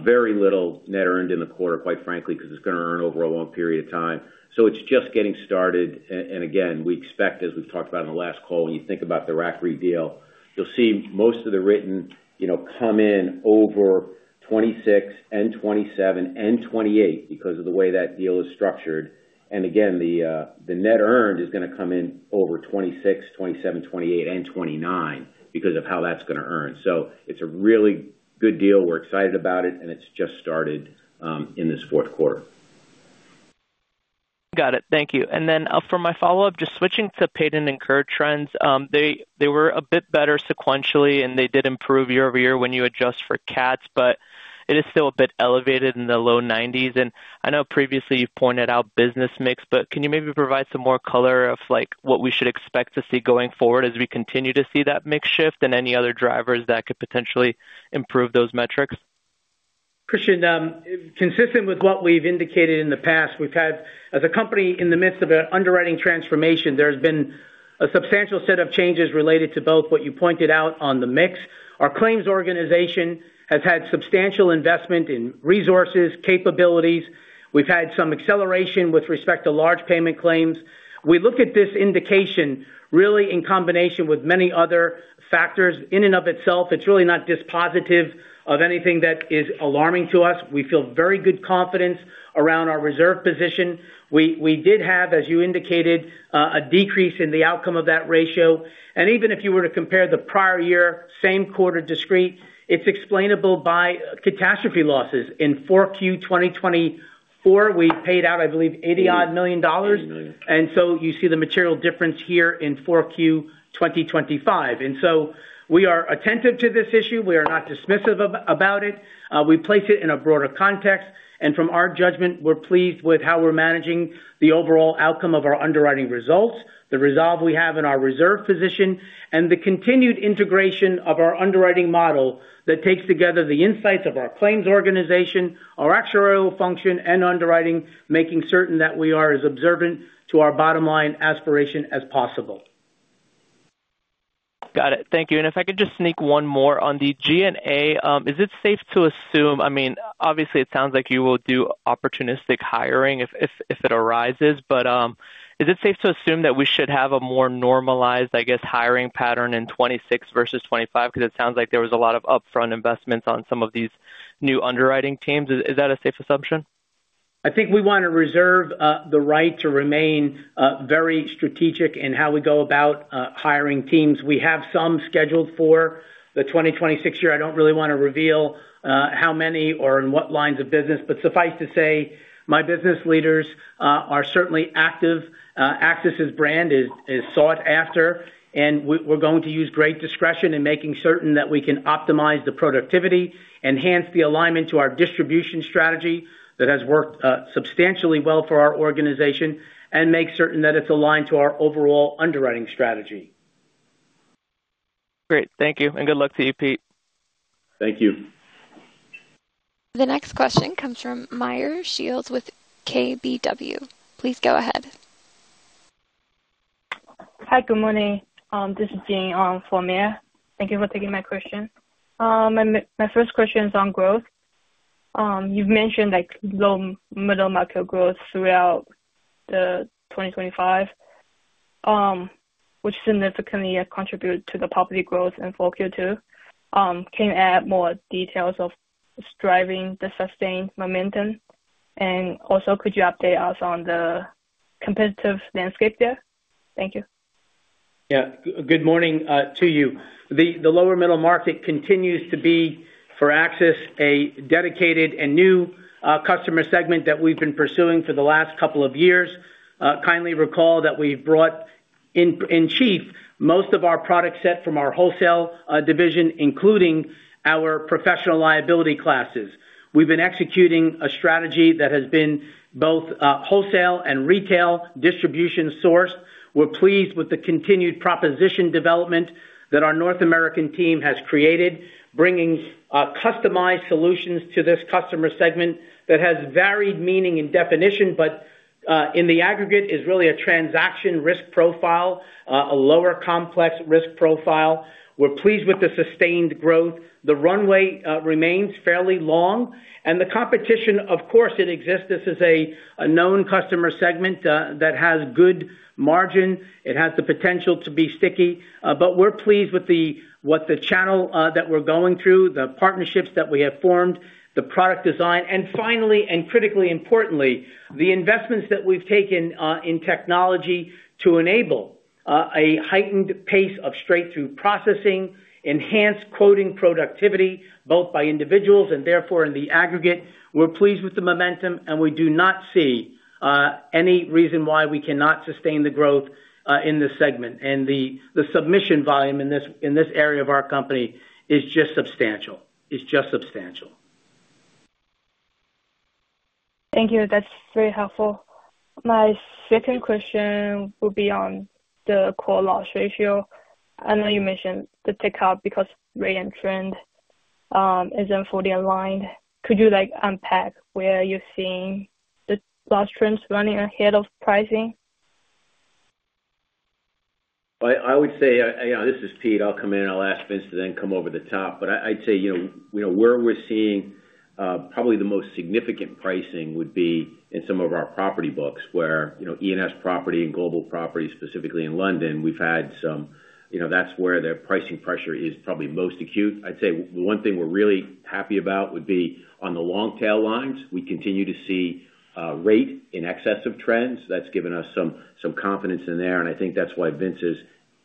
Very little net earned in the quarter, quite frankly, because it's gonna earn over a long period of time. So it's just getting started. And again, we expect, as we've talked about in the last call, when you think about the RAC Re deal, you'll see most of the written, you know, come in over 2026 and 2027 and 2028 because of the way that deal is structured. And again, the net earned is gonna come in over 2026, 2027, 2028, and 2029 because of how that's gonna earn. So it's a really good deal. We're excited about it, and it's just started in this fourth quarter. Got it. Thank you. And then, for my follow-up, just switching to paid and incurred trends. They were a bit better sequentially, and they did improve year-over-year when you adjust for cats, but it is still a bit elevated in the low 90s%. And I know previously you've pointed out business mix, but can you maybe provide some more color of, like, what we should expect to see going forward as we continue to see that mix shift and any other drivers that could potentially improve those metrics? Christian, consistent with what we've indicated in the past, we've had. As a company in the midst of an underwriting transformation, there has been a substantial set of changes related to both what you pointed out on the mix. Our claims organization has had substantial investment in resources, capabilities. We've had some acceleration with respect to large payment claims. We look at this indication really in combination with many other factors. In and of itself, it's really not dispositive of anything that is alarming to us. We feel very good confidence around our reserve position. We did have, as you indicated, a decrease in the outcome of that ratio. And even if you were to compare the prior year, same quarter discrete, it's explainable by catastrophe losses. In 4Q 2024, we paid out, I believe, $80-odd million. Eighty million. And so you see the material difference here in 4Q 2025. And so we are attentive to this issue. We are not dismissive about it. We place it in a broader context, and from our judgment, we're pleased with how we're managing the overall outcome of our underwriting results, the resolve we have in our reserve position, and the continued integration of our underwriting model that takes together the insights of our claims organization, our actuarial function, and underwriting, making certain that we are as observant to our bottom line aspiration as possible. Got it. Thank you. And if I could just sneak one more on the G&A. Is it safe to assume—I mean, obviously, it sounds like you will do opportunistic hiring if it arises. But is it safe to assume that we should have a more normalized, I guess, hiring pattern in 2026 versus 2025? Because it sounds like there was a lot of upfront investments on some of these new underwriting teams. Is that a safe assumption? I think we want to reserve the right to remain very strategic in how we go about hiring teams. We have some scheduled for the 2026 year. I don't really want to reveal how many or in what lines of business, but suffice to say, my business leaders are certainly active. AXIS's brand is sought after, and we're going to use great discretion in making certain that we can optimize the productivity, enhance the alignment to our distribution strategy that has worked substantially well for our organization, and make certain that it's aligned to our overall underwriting strategy. Great. Thank you, and good luck to you, Pete. Thank you. The next question comes from Meyer Shields with KBW. Please go ahead. Hi, good morning. This is Jian for Meyer. Thank you for taking my question. My first question is on growth. You've mentioned, like, lower middle market growth throughout 2025, which significantly contribute to the property growth in 4Q 2025. Can you add more details of what's driving the sustained momentum? And also, could you update us on the competitive landscape there? Thank you. Yeah. Good morning, to you. The lower middle market continues to be, for AXIS, a dedicated and new customer segment that we've been pursuing for the last couple of years. Kindly recall that we've brought in, in chief most of our product set from our wholesale division, including our professional liability classes. We've been executing a strategy that has been both wholesale and retail distribution source. We're pleased with the continued proposition development that our North American team has created, bringing customized solutions to this customer segment that has varied meaning and definition, but in the aggregate, is really a transaction risk profile, a lower complex risk profile. We're pleased with the sustained growth. The runway remains fairly long, and the competition, of course, it exists. This is a known customer segment that has good margin. It has the potential to be sticky, but we're pleased with what the channel that we're going through, the partnerships that we have formed, the product design, and finally, and critically importantly, the investments that we've taken in technology to enable a heightened pace of straight-through processing, enhanced quoting productivity, both by individuals and therefore in the aggregate. We're pleased with the momentum, and we do not see any reason why we cannot sustain the growth in this segment. The submission volume in this area of our company is just substantial. It's just substantial. Thank you. That's very helpful. My second question would be on the core loss ratio. I know you mentioned the tick up because rate and trend isn't fully aligned. Could you, like, unpack where you're seeing the loss trends running ahead of pricing? I would say, you know, this is Pete. I'll come in, and I'll ask Vince to then come over the top. But I'd say, you know, where we're seeing, probably the most significant pricing would be in some of our property books, where, you know, E&S property and global property, specifically in London, we've had some. You know, that's where the pricing pressure is probably most acute. I'd say the one thing we're really happy about would be on the long tail lines, we continue to see, rate in excess of trends. That's given us some confidence in there, and I think that's why Vince is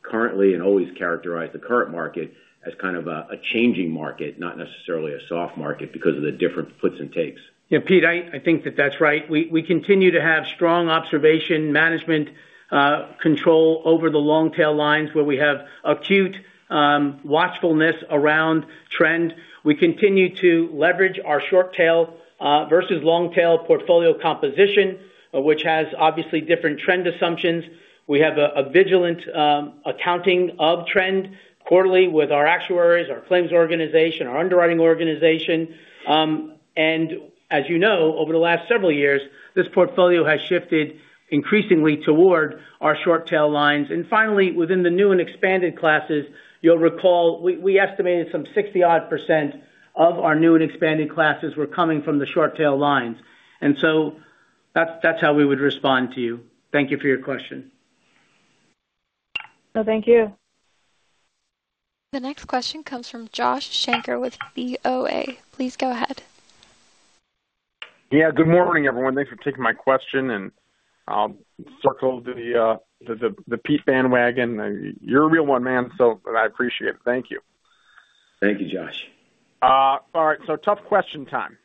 currently and always characterize the current market as kind of a changing market, not necessarily a soft market, because of the different puts and takes. Yeah, Pete, I think that's right. We continue to have strong reservation management control over the long tail lines, where we have acute watchfulness around trend. We continue to leverage our short tail versus long tail portfolio composition, which has obviously different trend assumptions. We have a vigilant accounting of trend quarterly with our actuaries, our claims organization, our underwriting organization. And as you know, over the last several years, this portfolio has shifted increasingly toward our short tail lines. And finally, within the new and expanded classes, you'll recall, we estimated some 60-odd% of our new and expanded classes were coming from the short tail lines. And so that's how we would respond to you. Thank you for your question.... No, thank you. The next question comes from Josh Shanker with BOA. Please go ahead. Yeah, good morning, everyone. Thanks for taking my question, and I'll circle to the Pete bandwagon. You're a real one, man, so and I appreciate it. Thank you. Thank you, Josh. All right, so tough question time.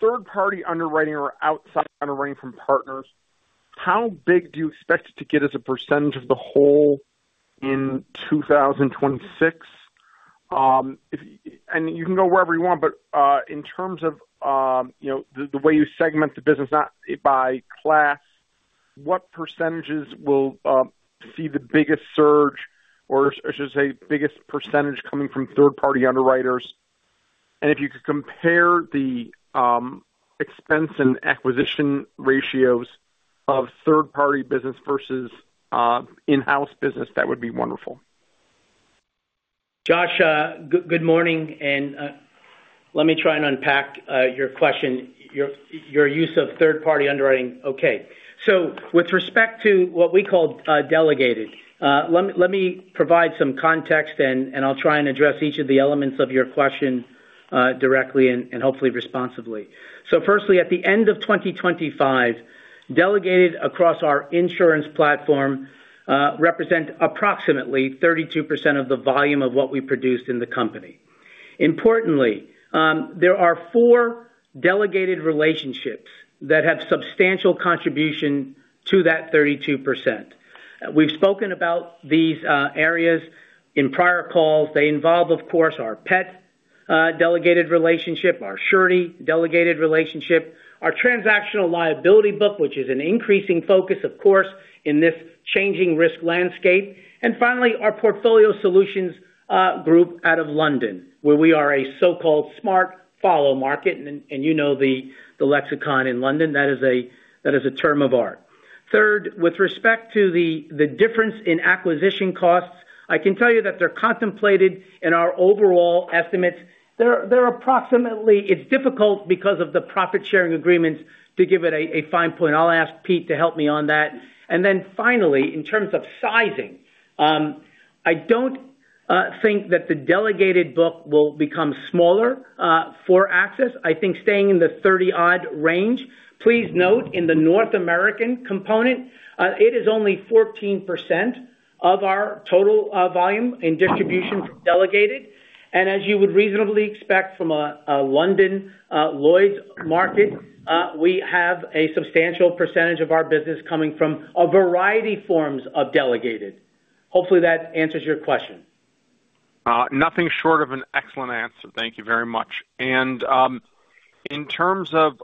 Third-party underwriting or outside underwriting from partners, how big do you expect it to get as a percentage of the whole in 2026? If and you can go wherever you want, but, in terms of, you know, the, the way you segment the business, not by class, what percentages will see the biggest surge, or I should say, biggest percentage coming from third-party underwriters? And if you could compare the, expense and acquisition ratios of third-party business versus, in-house business, that would be wonderful. Josh, good morning, and let me try and unpack your question, your use of third-party underwriting. Okay, so with respect to what we call delegated, let me provide some context, and I'll try and address each of the elements of your question directly and hopefully responsively. So firstly, at the end of 2025, delegated across our insurance platform represent approximately 32% of the volume of what we produced in the company. Importantly, there are four delegated relationships that have substantial contribution to that 32%. We've spoken about these areas in prior calls. They involve, of course, our Pet delegated relationship, our surety delegated relationship, our transactional liability book, which is an increasing focus, of course, in this changing risk landscape, and finally, our Portfolio Solutions Group out of London, where we are a so-called Smart Follow market. And you know the lexicon in London, that is a term of art. Third, with respect to the difference in acquisition costs, I can tell you that they're contemplated in our overall estimates. They're approximately... It's difficult because of the profit-sharing agreements to give it a fine point. I'll ask Pete to help me on that. And then finally, in terms of sizing, I don't think that the delegated book will become smaller for AXIS. I think staying in the 30-odd range. Please note, in the North American component, it is only 14% of our total volume in distribution delegated. As you would reasonably expect from a London Lloyd's market, we have a substantial percentage of our business coming from a variety forms of delegated. Hopefully, that answers your question. Nothing short of an excellent answer. Thank you very much. In terms of,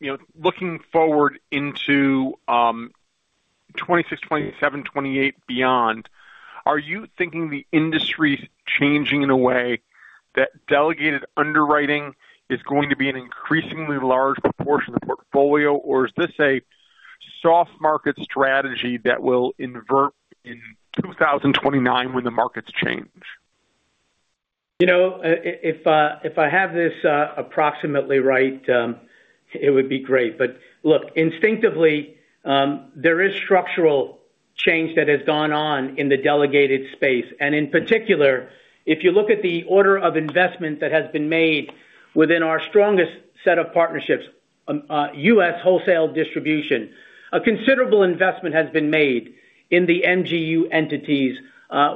you know, looking forward into 2026, 2027, 2028 beyond, are you thinking the industry's changing in a way that delegated underwriting is going to be an increasingly large proportion of the portfolio? Or is this a soft market strategy that will invert in 2029 when the markets change? You know, if, if I have this approximately right, it would be great. But look, instinctively, there is structural change that has gone on in the delegated space. And in particular, if you look at the order of investment that has been made within our strongest set of partnerships, U.S. wholesale distribution, a considerable investment has been made in the MGU entities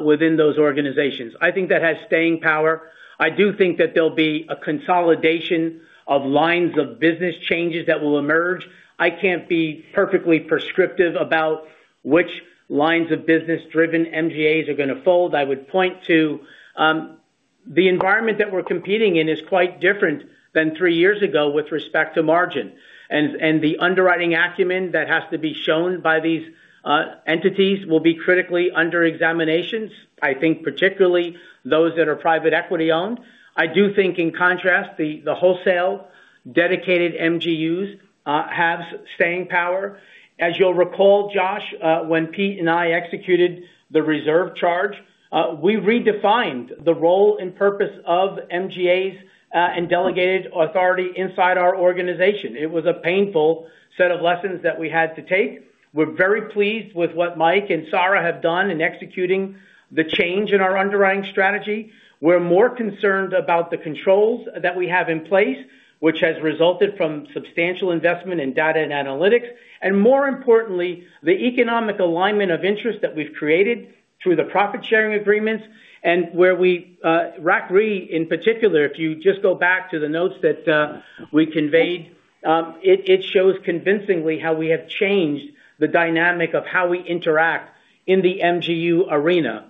within those organizations. I think that has staying power. I do think that there'll be a consolidation of lines of business changes that will emerge. I can't be perfectly prescriptive about which lines of business-driven MGAs are going to fold. I would point to the environment that we're competing in is quite different than three years ago with respect to margin. The underwriting acumen that has to be shown by these entities will be critically under examination. I think particularly those that are private equity-owned. I do think, in contrast, the wholesale dedicated MGUs have staying power. As you'll recall, Josh, when Pete and I executed the reserve charge, we redefined the role and purpose of MGAs and delegated authority inside our organization. It was a painful set of lessons that we had to take. We're very pleased with what Mike and Sara have done in executing the change in our underwriting strategy. We're more concerned about the controls that we have in place, which has resulted from substantial investment in data and analytics, and more importantly, the economic alignment of interest that we've created through the profit-sharing agreements and where we, RAC Re, in particular, if you just go back to the notes that, we conveyed, it, it shows convincingly how we have changed the dynamic of how we interact in the MGU arena.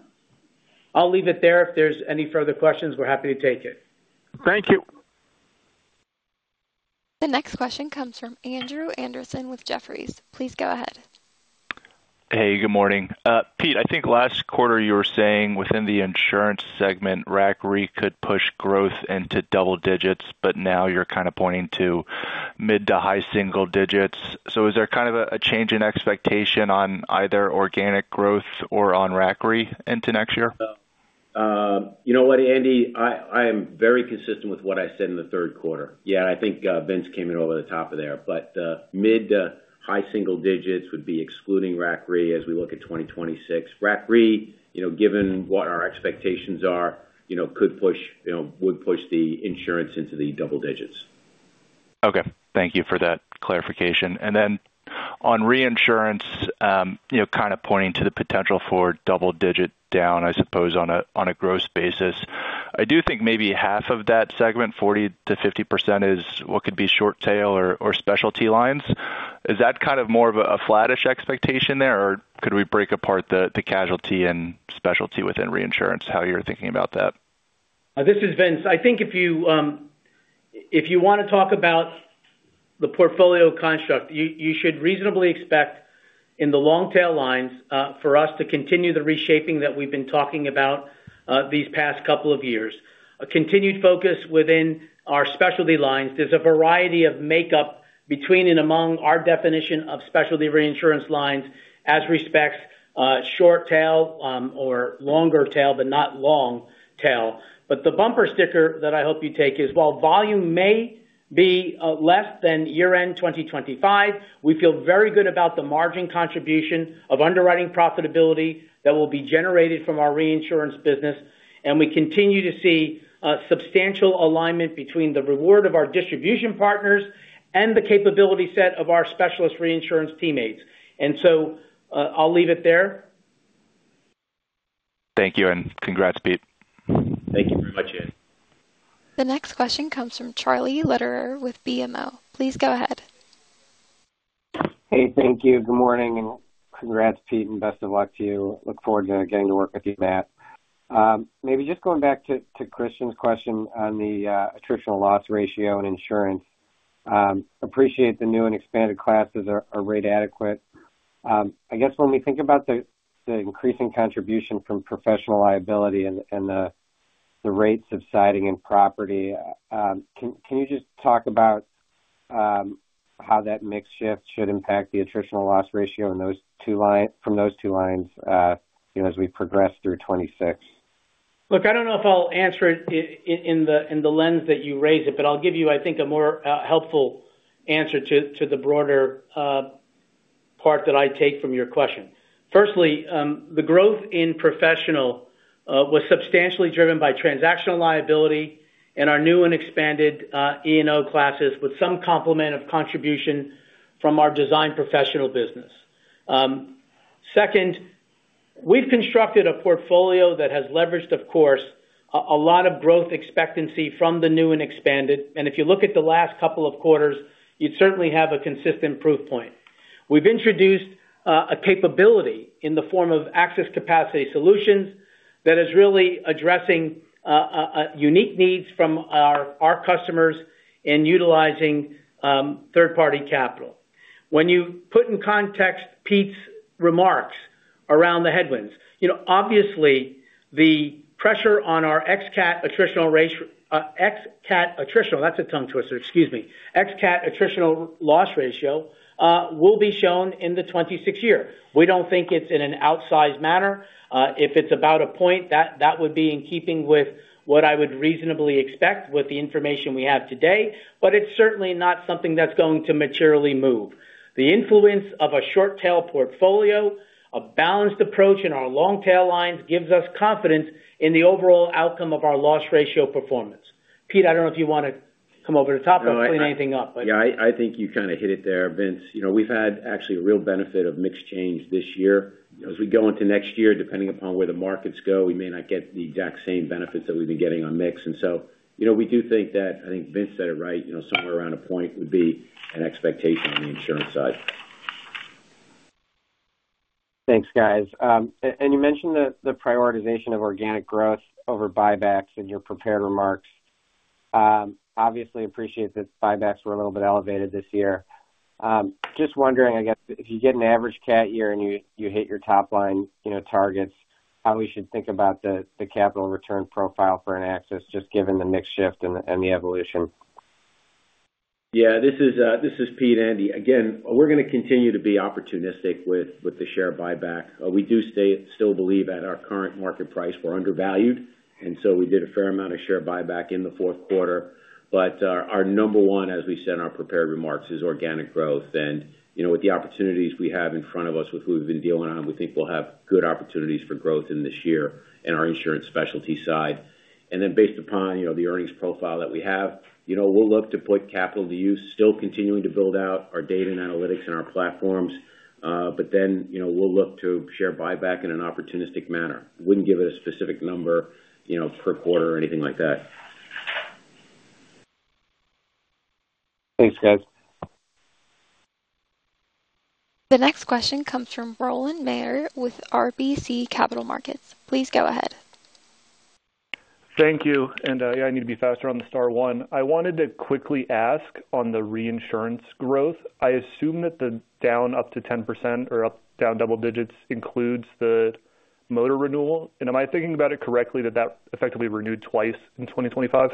I'll leave it there. If there's any further questions, we're happy to take it. Thank you. The next question comes from Andrew Andersen with Jefferies. Please go ahead. Hey, good morning. Pete, I think last quarter you were saying within the insurance segment, RAC Re could push growth into double digits, but now you're kind of pointing to mid to high single digits. So is there kind of a change in expectation on either organic growth or on RAC Re into next year?... You know what, Andy? I am very consistent with what I said in the third quarter. Yeah, I think Vince came in over the top of there, but mid to high single digits would be excluding RAC Re as we look at 2026. RAC Re, you know, given what our expectations are, you know, could push, you know, would push the insurance into the double digits. Okay. Thank you for that clarification. Then on reinsurance, you know, kind of pointing to the potential for double-digit down, I suppose, on a gross basis. I do think maybe half of that segment, 40%-50% is what could be short-tail or specialty lines. Is that kind of more of a flattish expectation there, or could we break apart the casualty and specialty within reinsurance? How you're thinking about that? This is Vince. I think if you, if you wanna talk about the portfolio construct, you, you should reasonably expect in the long tail lines, for us to continue the reshaping that we've been talking about, these past couple of years. A continued focus within our specialty lines. There's a variety of makeup between and among our definition of specialty reinsurance lines as respects, short tail, or longer tail, but not long tail. But the bumper sticker that I hope you take is, while volume may be, less than year-end 2025, we feel very good about the margin contribution of underwriting profitability that will be generated from our reinsurance business, and we continue to see a substantial alignment between the reward of our distribution partners and the capability set of our specialist reinsurance teammates. And so, I'll leave it there. Thank you, and congrats, Pete. Thank you very much, Andy. The next question comes from Charlie Lederer with BMO. Please go ahead. Hey, thank you. Good morning, and congrats, Pete, and best of luck to you, Matt. Maybe just going back to Christian's question on the attritional loss ratio and insurance. Appreciate the new and expanded classes are rate adequate. I guess when we think about the increasing contribution from professional liability and the rates on casualty and property, can you just talk about how that mix shift should impact the attritional loss ratio in those two lines—from those two lines, you know, as we progress through 2026? Look, I don't know if I'll answer it in the lens that you raised it, but I'll give you, I think, a more helpful answer to the broader part that I take from your question. Firstly, the growth in professional was substantially driven by transactional liability and our new and expanded E&O classes, with some complement of contribution from our design professional business. Second, we've constructed a portfolio that has leveraged, of course, a lot of growth expectancy from the new and expanded, and if you look at the last couple of quarters, you'd certainly have a consistent proof point. We've introduced a capability in the form of AXIS Capacity Solutions that is really addressing a unique needs from our customers in utilizing third-party capital. When you put in context Pete's remarks around the headwinds, you know, obviously, the pressure on our ex-cat attritional ratio. Ex-cat attritional, that's a tongue twister, excuse me. Ex-cat attritional loss ratio will be shown in the 2026 year. We don't think it's in an outsized manner. If it's about a point, that would be in keeping with what I would reasonably expect with the information we have today, but it's certainly not something that's going to materially move. The influence of a short tail portfolio, a balanced approach in our long tail lines, gives us confidence in the overall outcome of our loss ratio performance. Pete, I don't know if you want to come over the top and clean anything up, but- Yeah, I, I think you kind of hit it there, Vince. You know, we've had actually a real benefit of mix change this year. As we go into next year, depending upon where the markets go, we may not get the exact same benefits that we've been getting on mix. And so, you know, we do think that... I think Vince said it right, you know, somewhere around a point would be an expectation on the insurance side. Thanks, guys. And you mentioned the prioritization of organic growth over buybacks in your prepared remarks. Obviously, appreciate that buybacks were a little bit elevated this year. Just wondering, I guess, if you get an average cat year and you hit your top line, you know, targets, how we should think about the capital return profile for AXIS, just given the mix shift and the evolution? Yeah, this is, this is Pete, Andy. Again, we're gonna continue to be opportunistic with the share buyback. We do still believe at our current market price, we're undervalued, and so we did a fair amount of share buyback in the fourth quarter. But our number one, as we said in our prepared remarks, is organic growth. And, you know, with the opportunities we have in front of us with who we've been dealing on, we think we'll have good opportunities for growth this year in our insurance specialty side. And then based upon, you know, the earnings profile that we have, you know, we'll look to put capital to use, still continuing to build out our data and analytics and our platforms, but then, you know, we'll look to share buyback in an opportunistic manner. Wouldn't give it a specific number, you know, per quarter or anything like that. Thanks, guys. The next question comes from Rowland Mayor with RBC Capital Markets. Please go ahead. Thank you. And, yeah, I need to be faster on the star one. I wanted to quickly ask on the reinsurance growth. I assume that the down up to 10% or up—down double digits includes the motor renewal. And am I thinking about it correctly, that effectively renewed twice in 2025? ...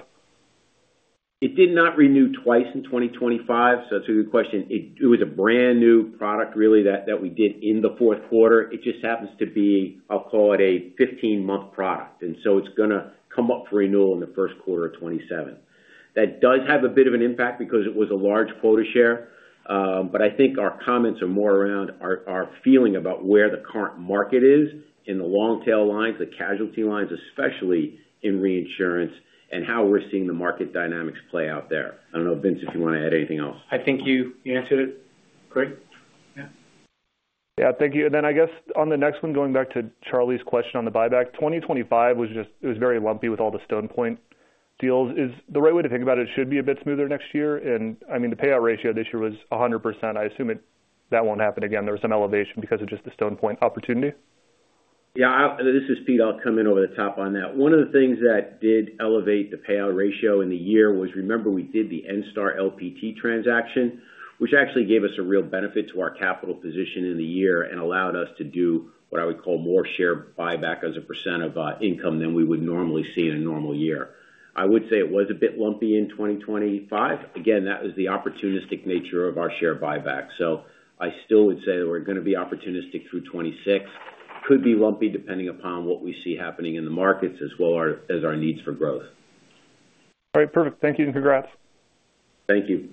It did not renew twice in 2025. So to your question, it was a brand-new product really that we did in the fourth quarter. It just happens to be, I'll call it, a 15-month product, and so it's gonna come up for renewal in the first quarter of 2027. That does have a bit of an impact because it was a large quota share. But I think our comments are more around our feeling about where the current market is in the long tail lines, the casualty lines, especially in reinsurance, and how we're seeing the market dynamics play out there. I don't know, Vince, if you want to add anything else. I think you answered it great. Yeah. Yeah, thank you. I guess on the next one, going back to Charlie's question on the buyback, 2025 was just, it was very lumpy with all the Stone Point deals. Is the right way to think about it, should be a bit smoother next year? And, I mean, the payout ratio this year was 100%. I assume it, that won't happen again. There was an elevation because of just the Stone Point opportunity. Yeah, this is Pete. I'll come in over the top on that. One of the things that did elevate the payout ratio in the year was, remember we did the Enstar LPT transaction, which actually gave us a real benefit to our capital position in the year and allowed us to do what I would call more share buyback as a percent of income than we would normally see in a normal year. I would say it was a bit lumpy in 2025. Again, that was the opportunistic nature of our share buyback. So I still would say that we're going to be opportunistic through 2026. Could be lumpy, depending upon what we see happening in the markets, as well as our needs for growth. All right, perfect. Thank you, and congrats. Thank you.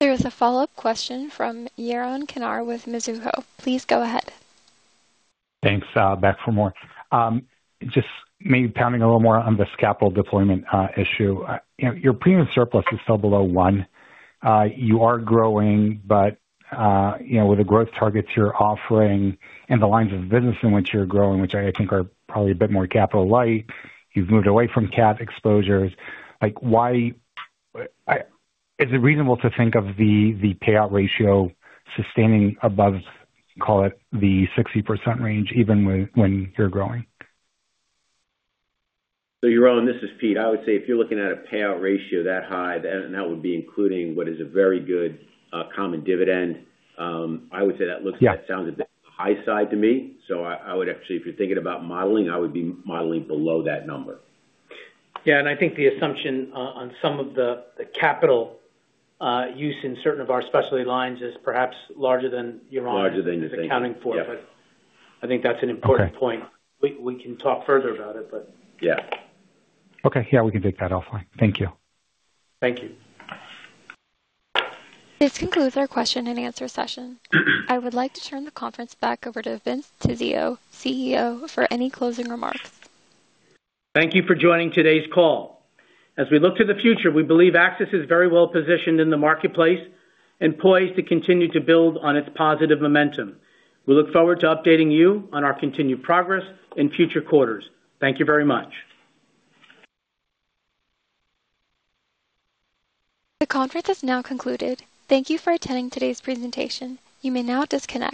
There is a follow-up question from Yaron Kinar with Mizuho. Please go ahead. Thanks, back for more. Just maybe pounding a little more on this capital deployment issue. You know, your premium surplus is still below one. You are growing, but, you know, with the growth targets you're offering and the lines of business in which you're growing, which I think are probably a bit more capital light, you've moved away from cat exposures. Like, why—I... Is it reasonable to think of the, the payout ratio sustaining above, call it, the 60% range, even when, when you're growing? Yaron, this is Pete. I would say if you're looking at a payout ratio that high, then that would be including what is a very good, common dividend. I would say that looks- Yeah. That sounds a bit high side to me, so I would actually, if you're thinking about modeling, I would be modeling below that number. Yeah, and I think the assumption on some of the capital use in certain of our specialty lines is perhaps larger than Yaron- Larger than you think. accounting for it. Yeah. I think that's an important point. Okay. We can talk further about it, but- Yeah. Okay, yeah, we can take that offline. Thank you. Thank you. This concludes our question-and-answer session. I would like to turn the conference back over to Vince Tizzio, CEO, for any closing remarks. Thank you for joining today's call. As we look to the future, we believe AXIS is very well positioned in the marketplace and poised to continue to build on its positive momentum. We look forward to updating you on our continued progress in future quarters. Thank you very much. The conference is now concluded. Thank you for attending today's presentation. You may now disconnect.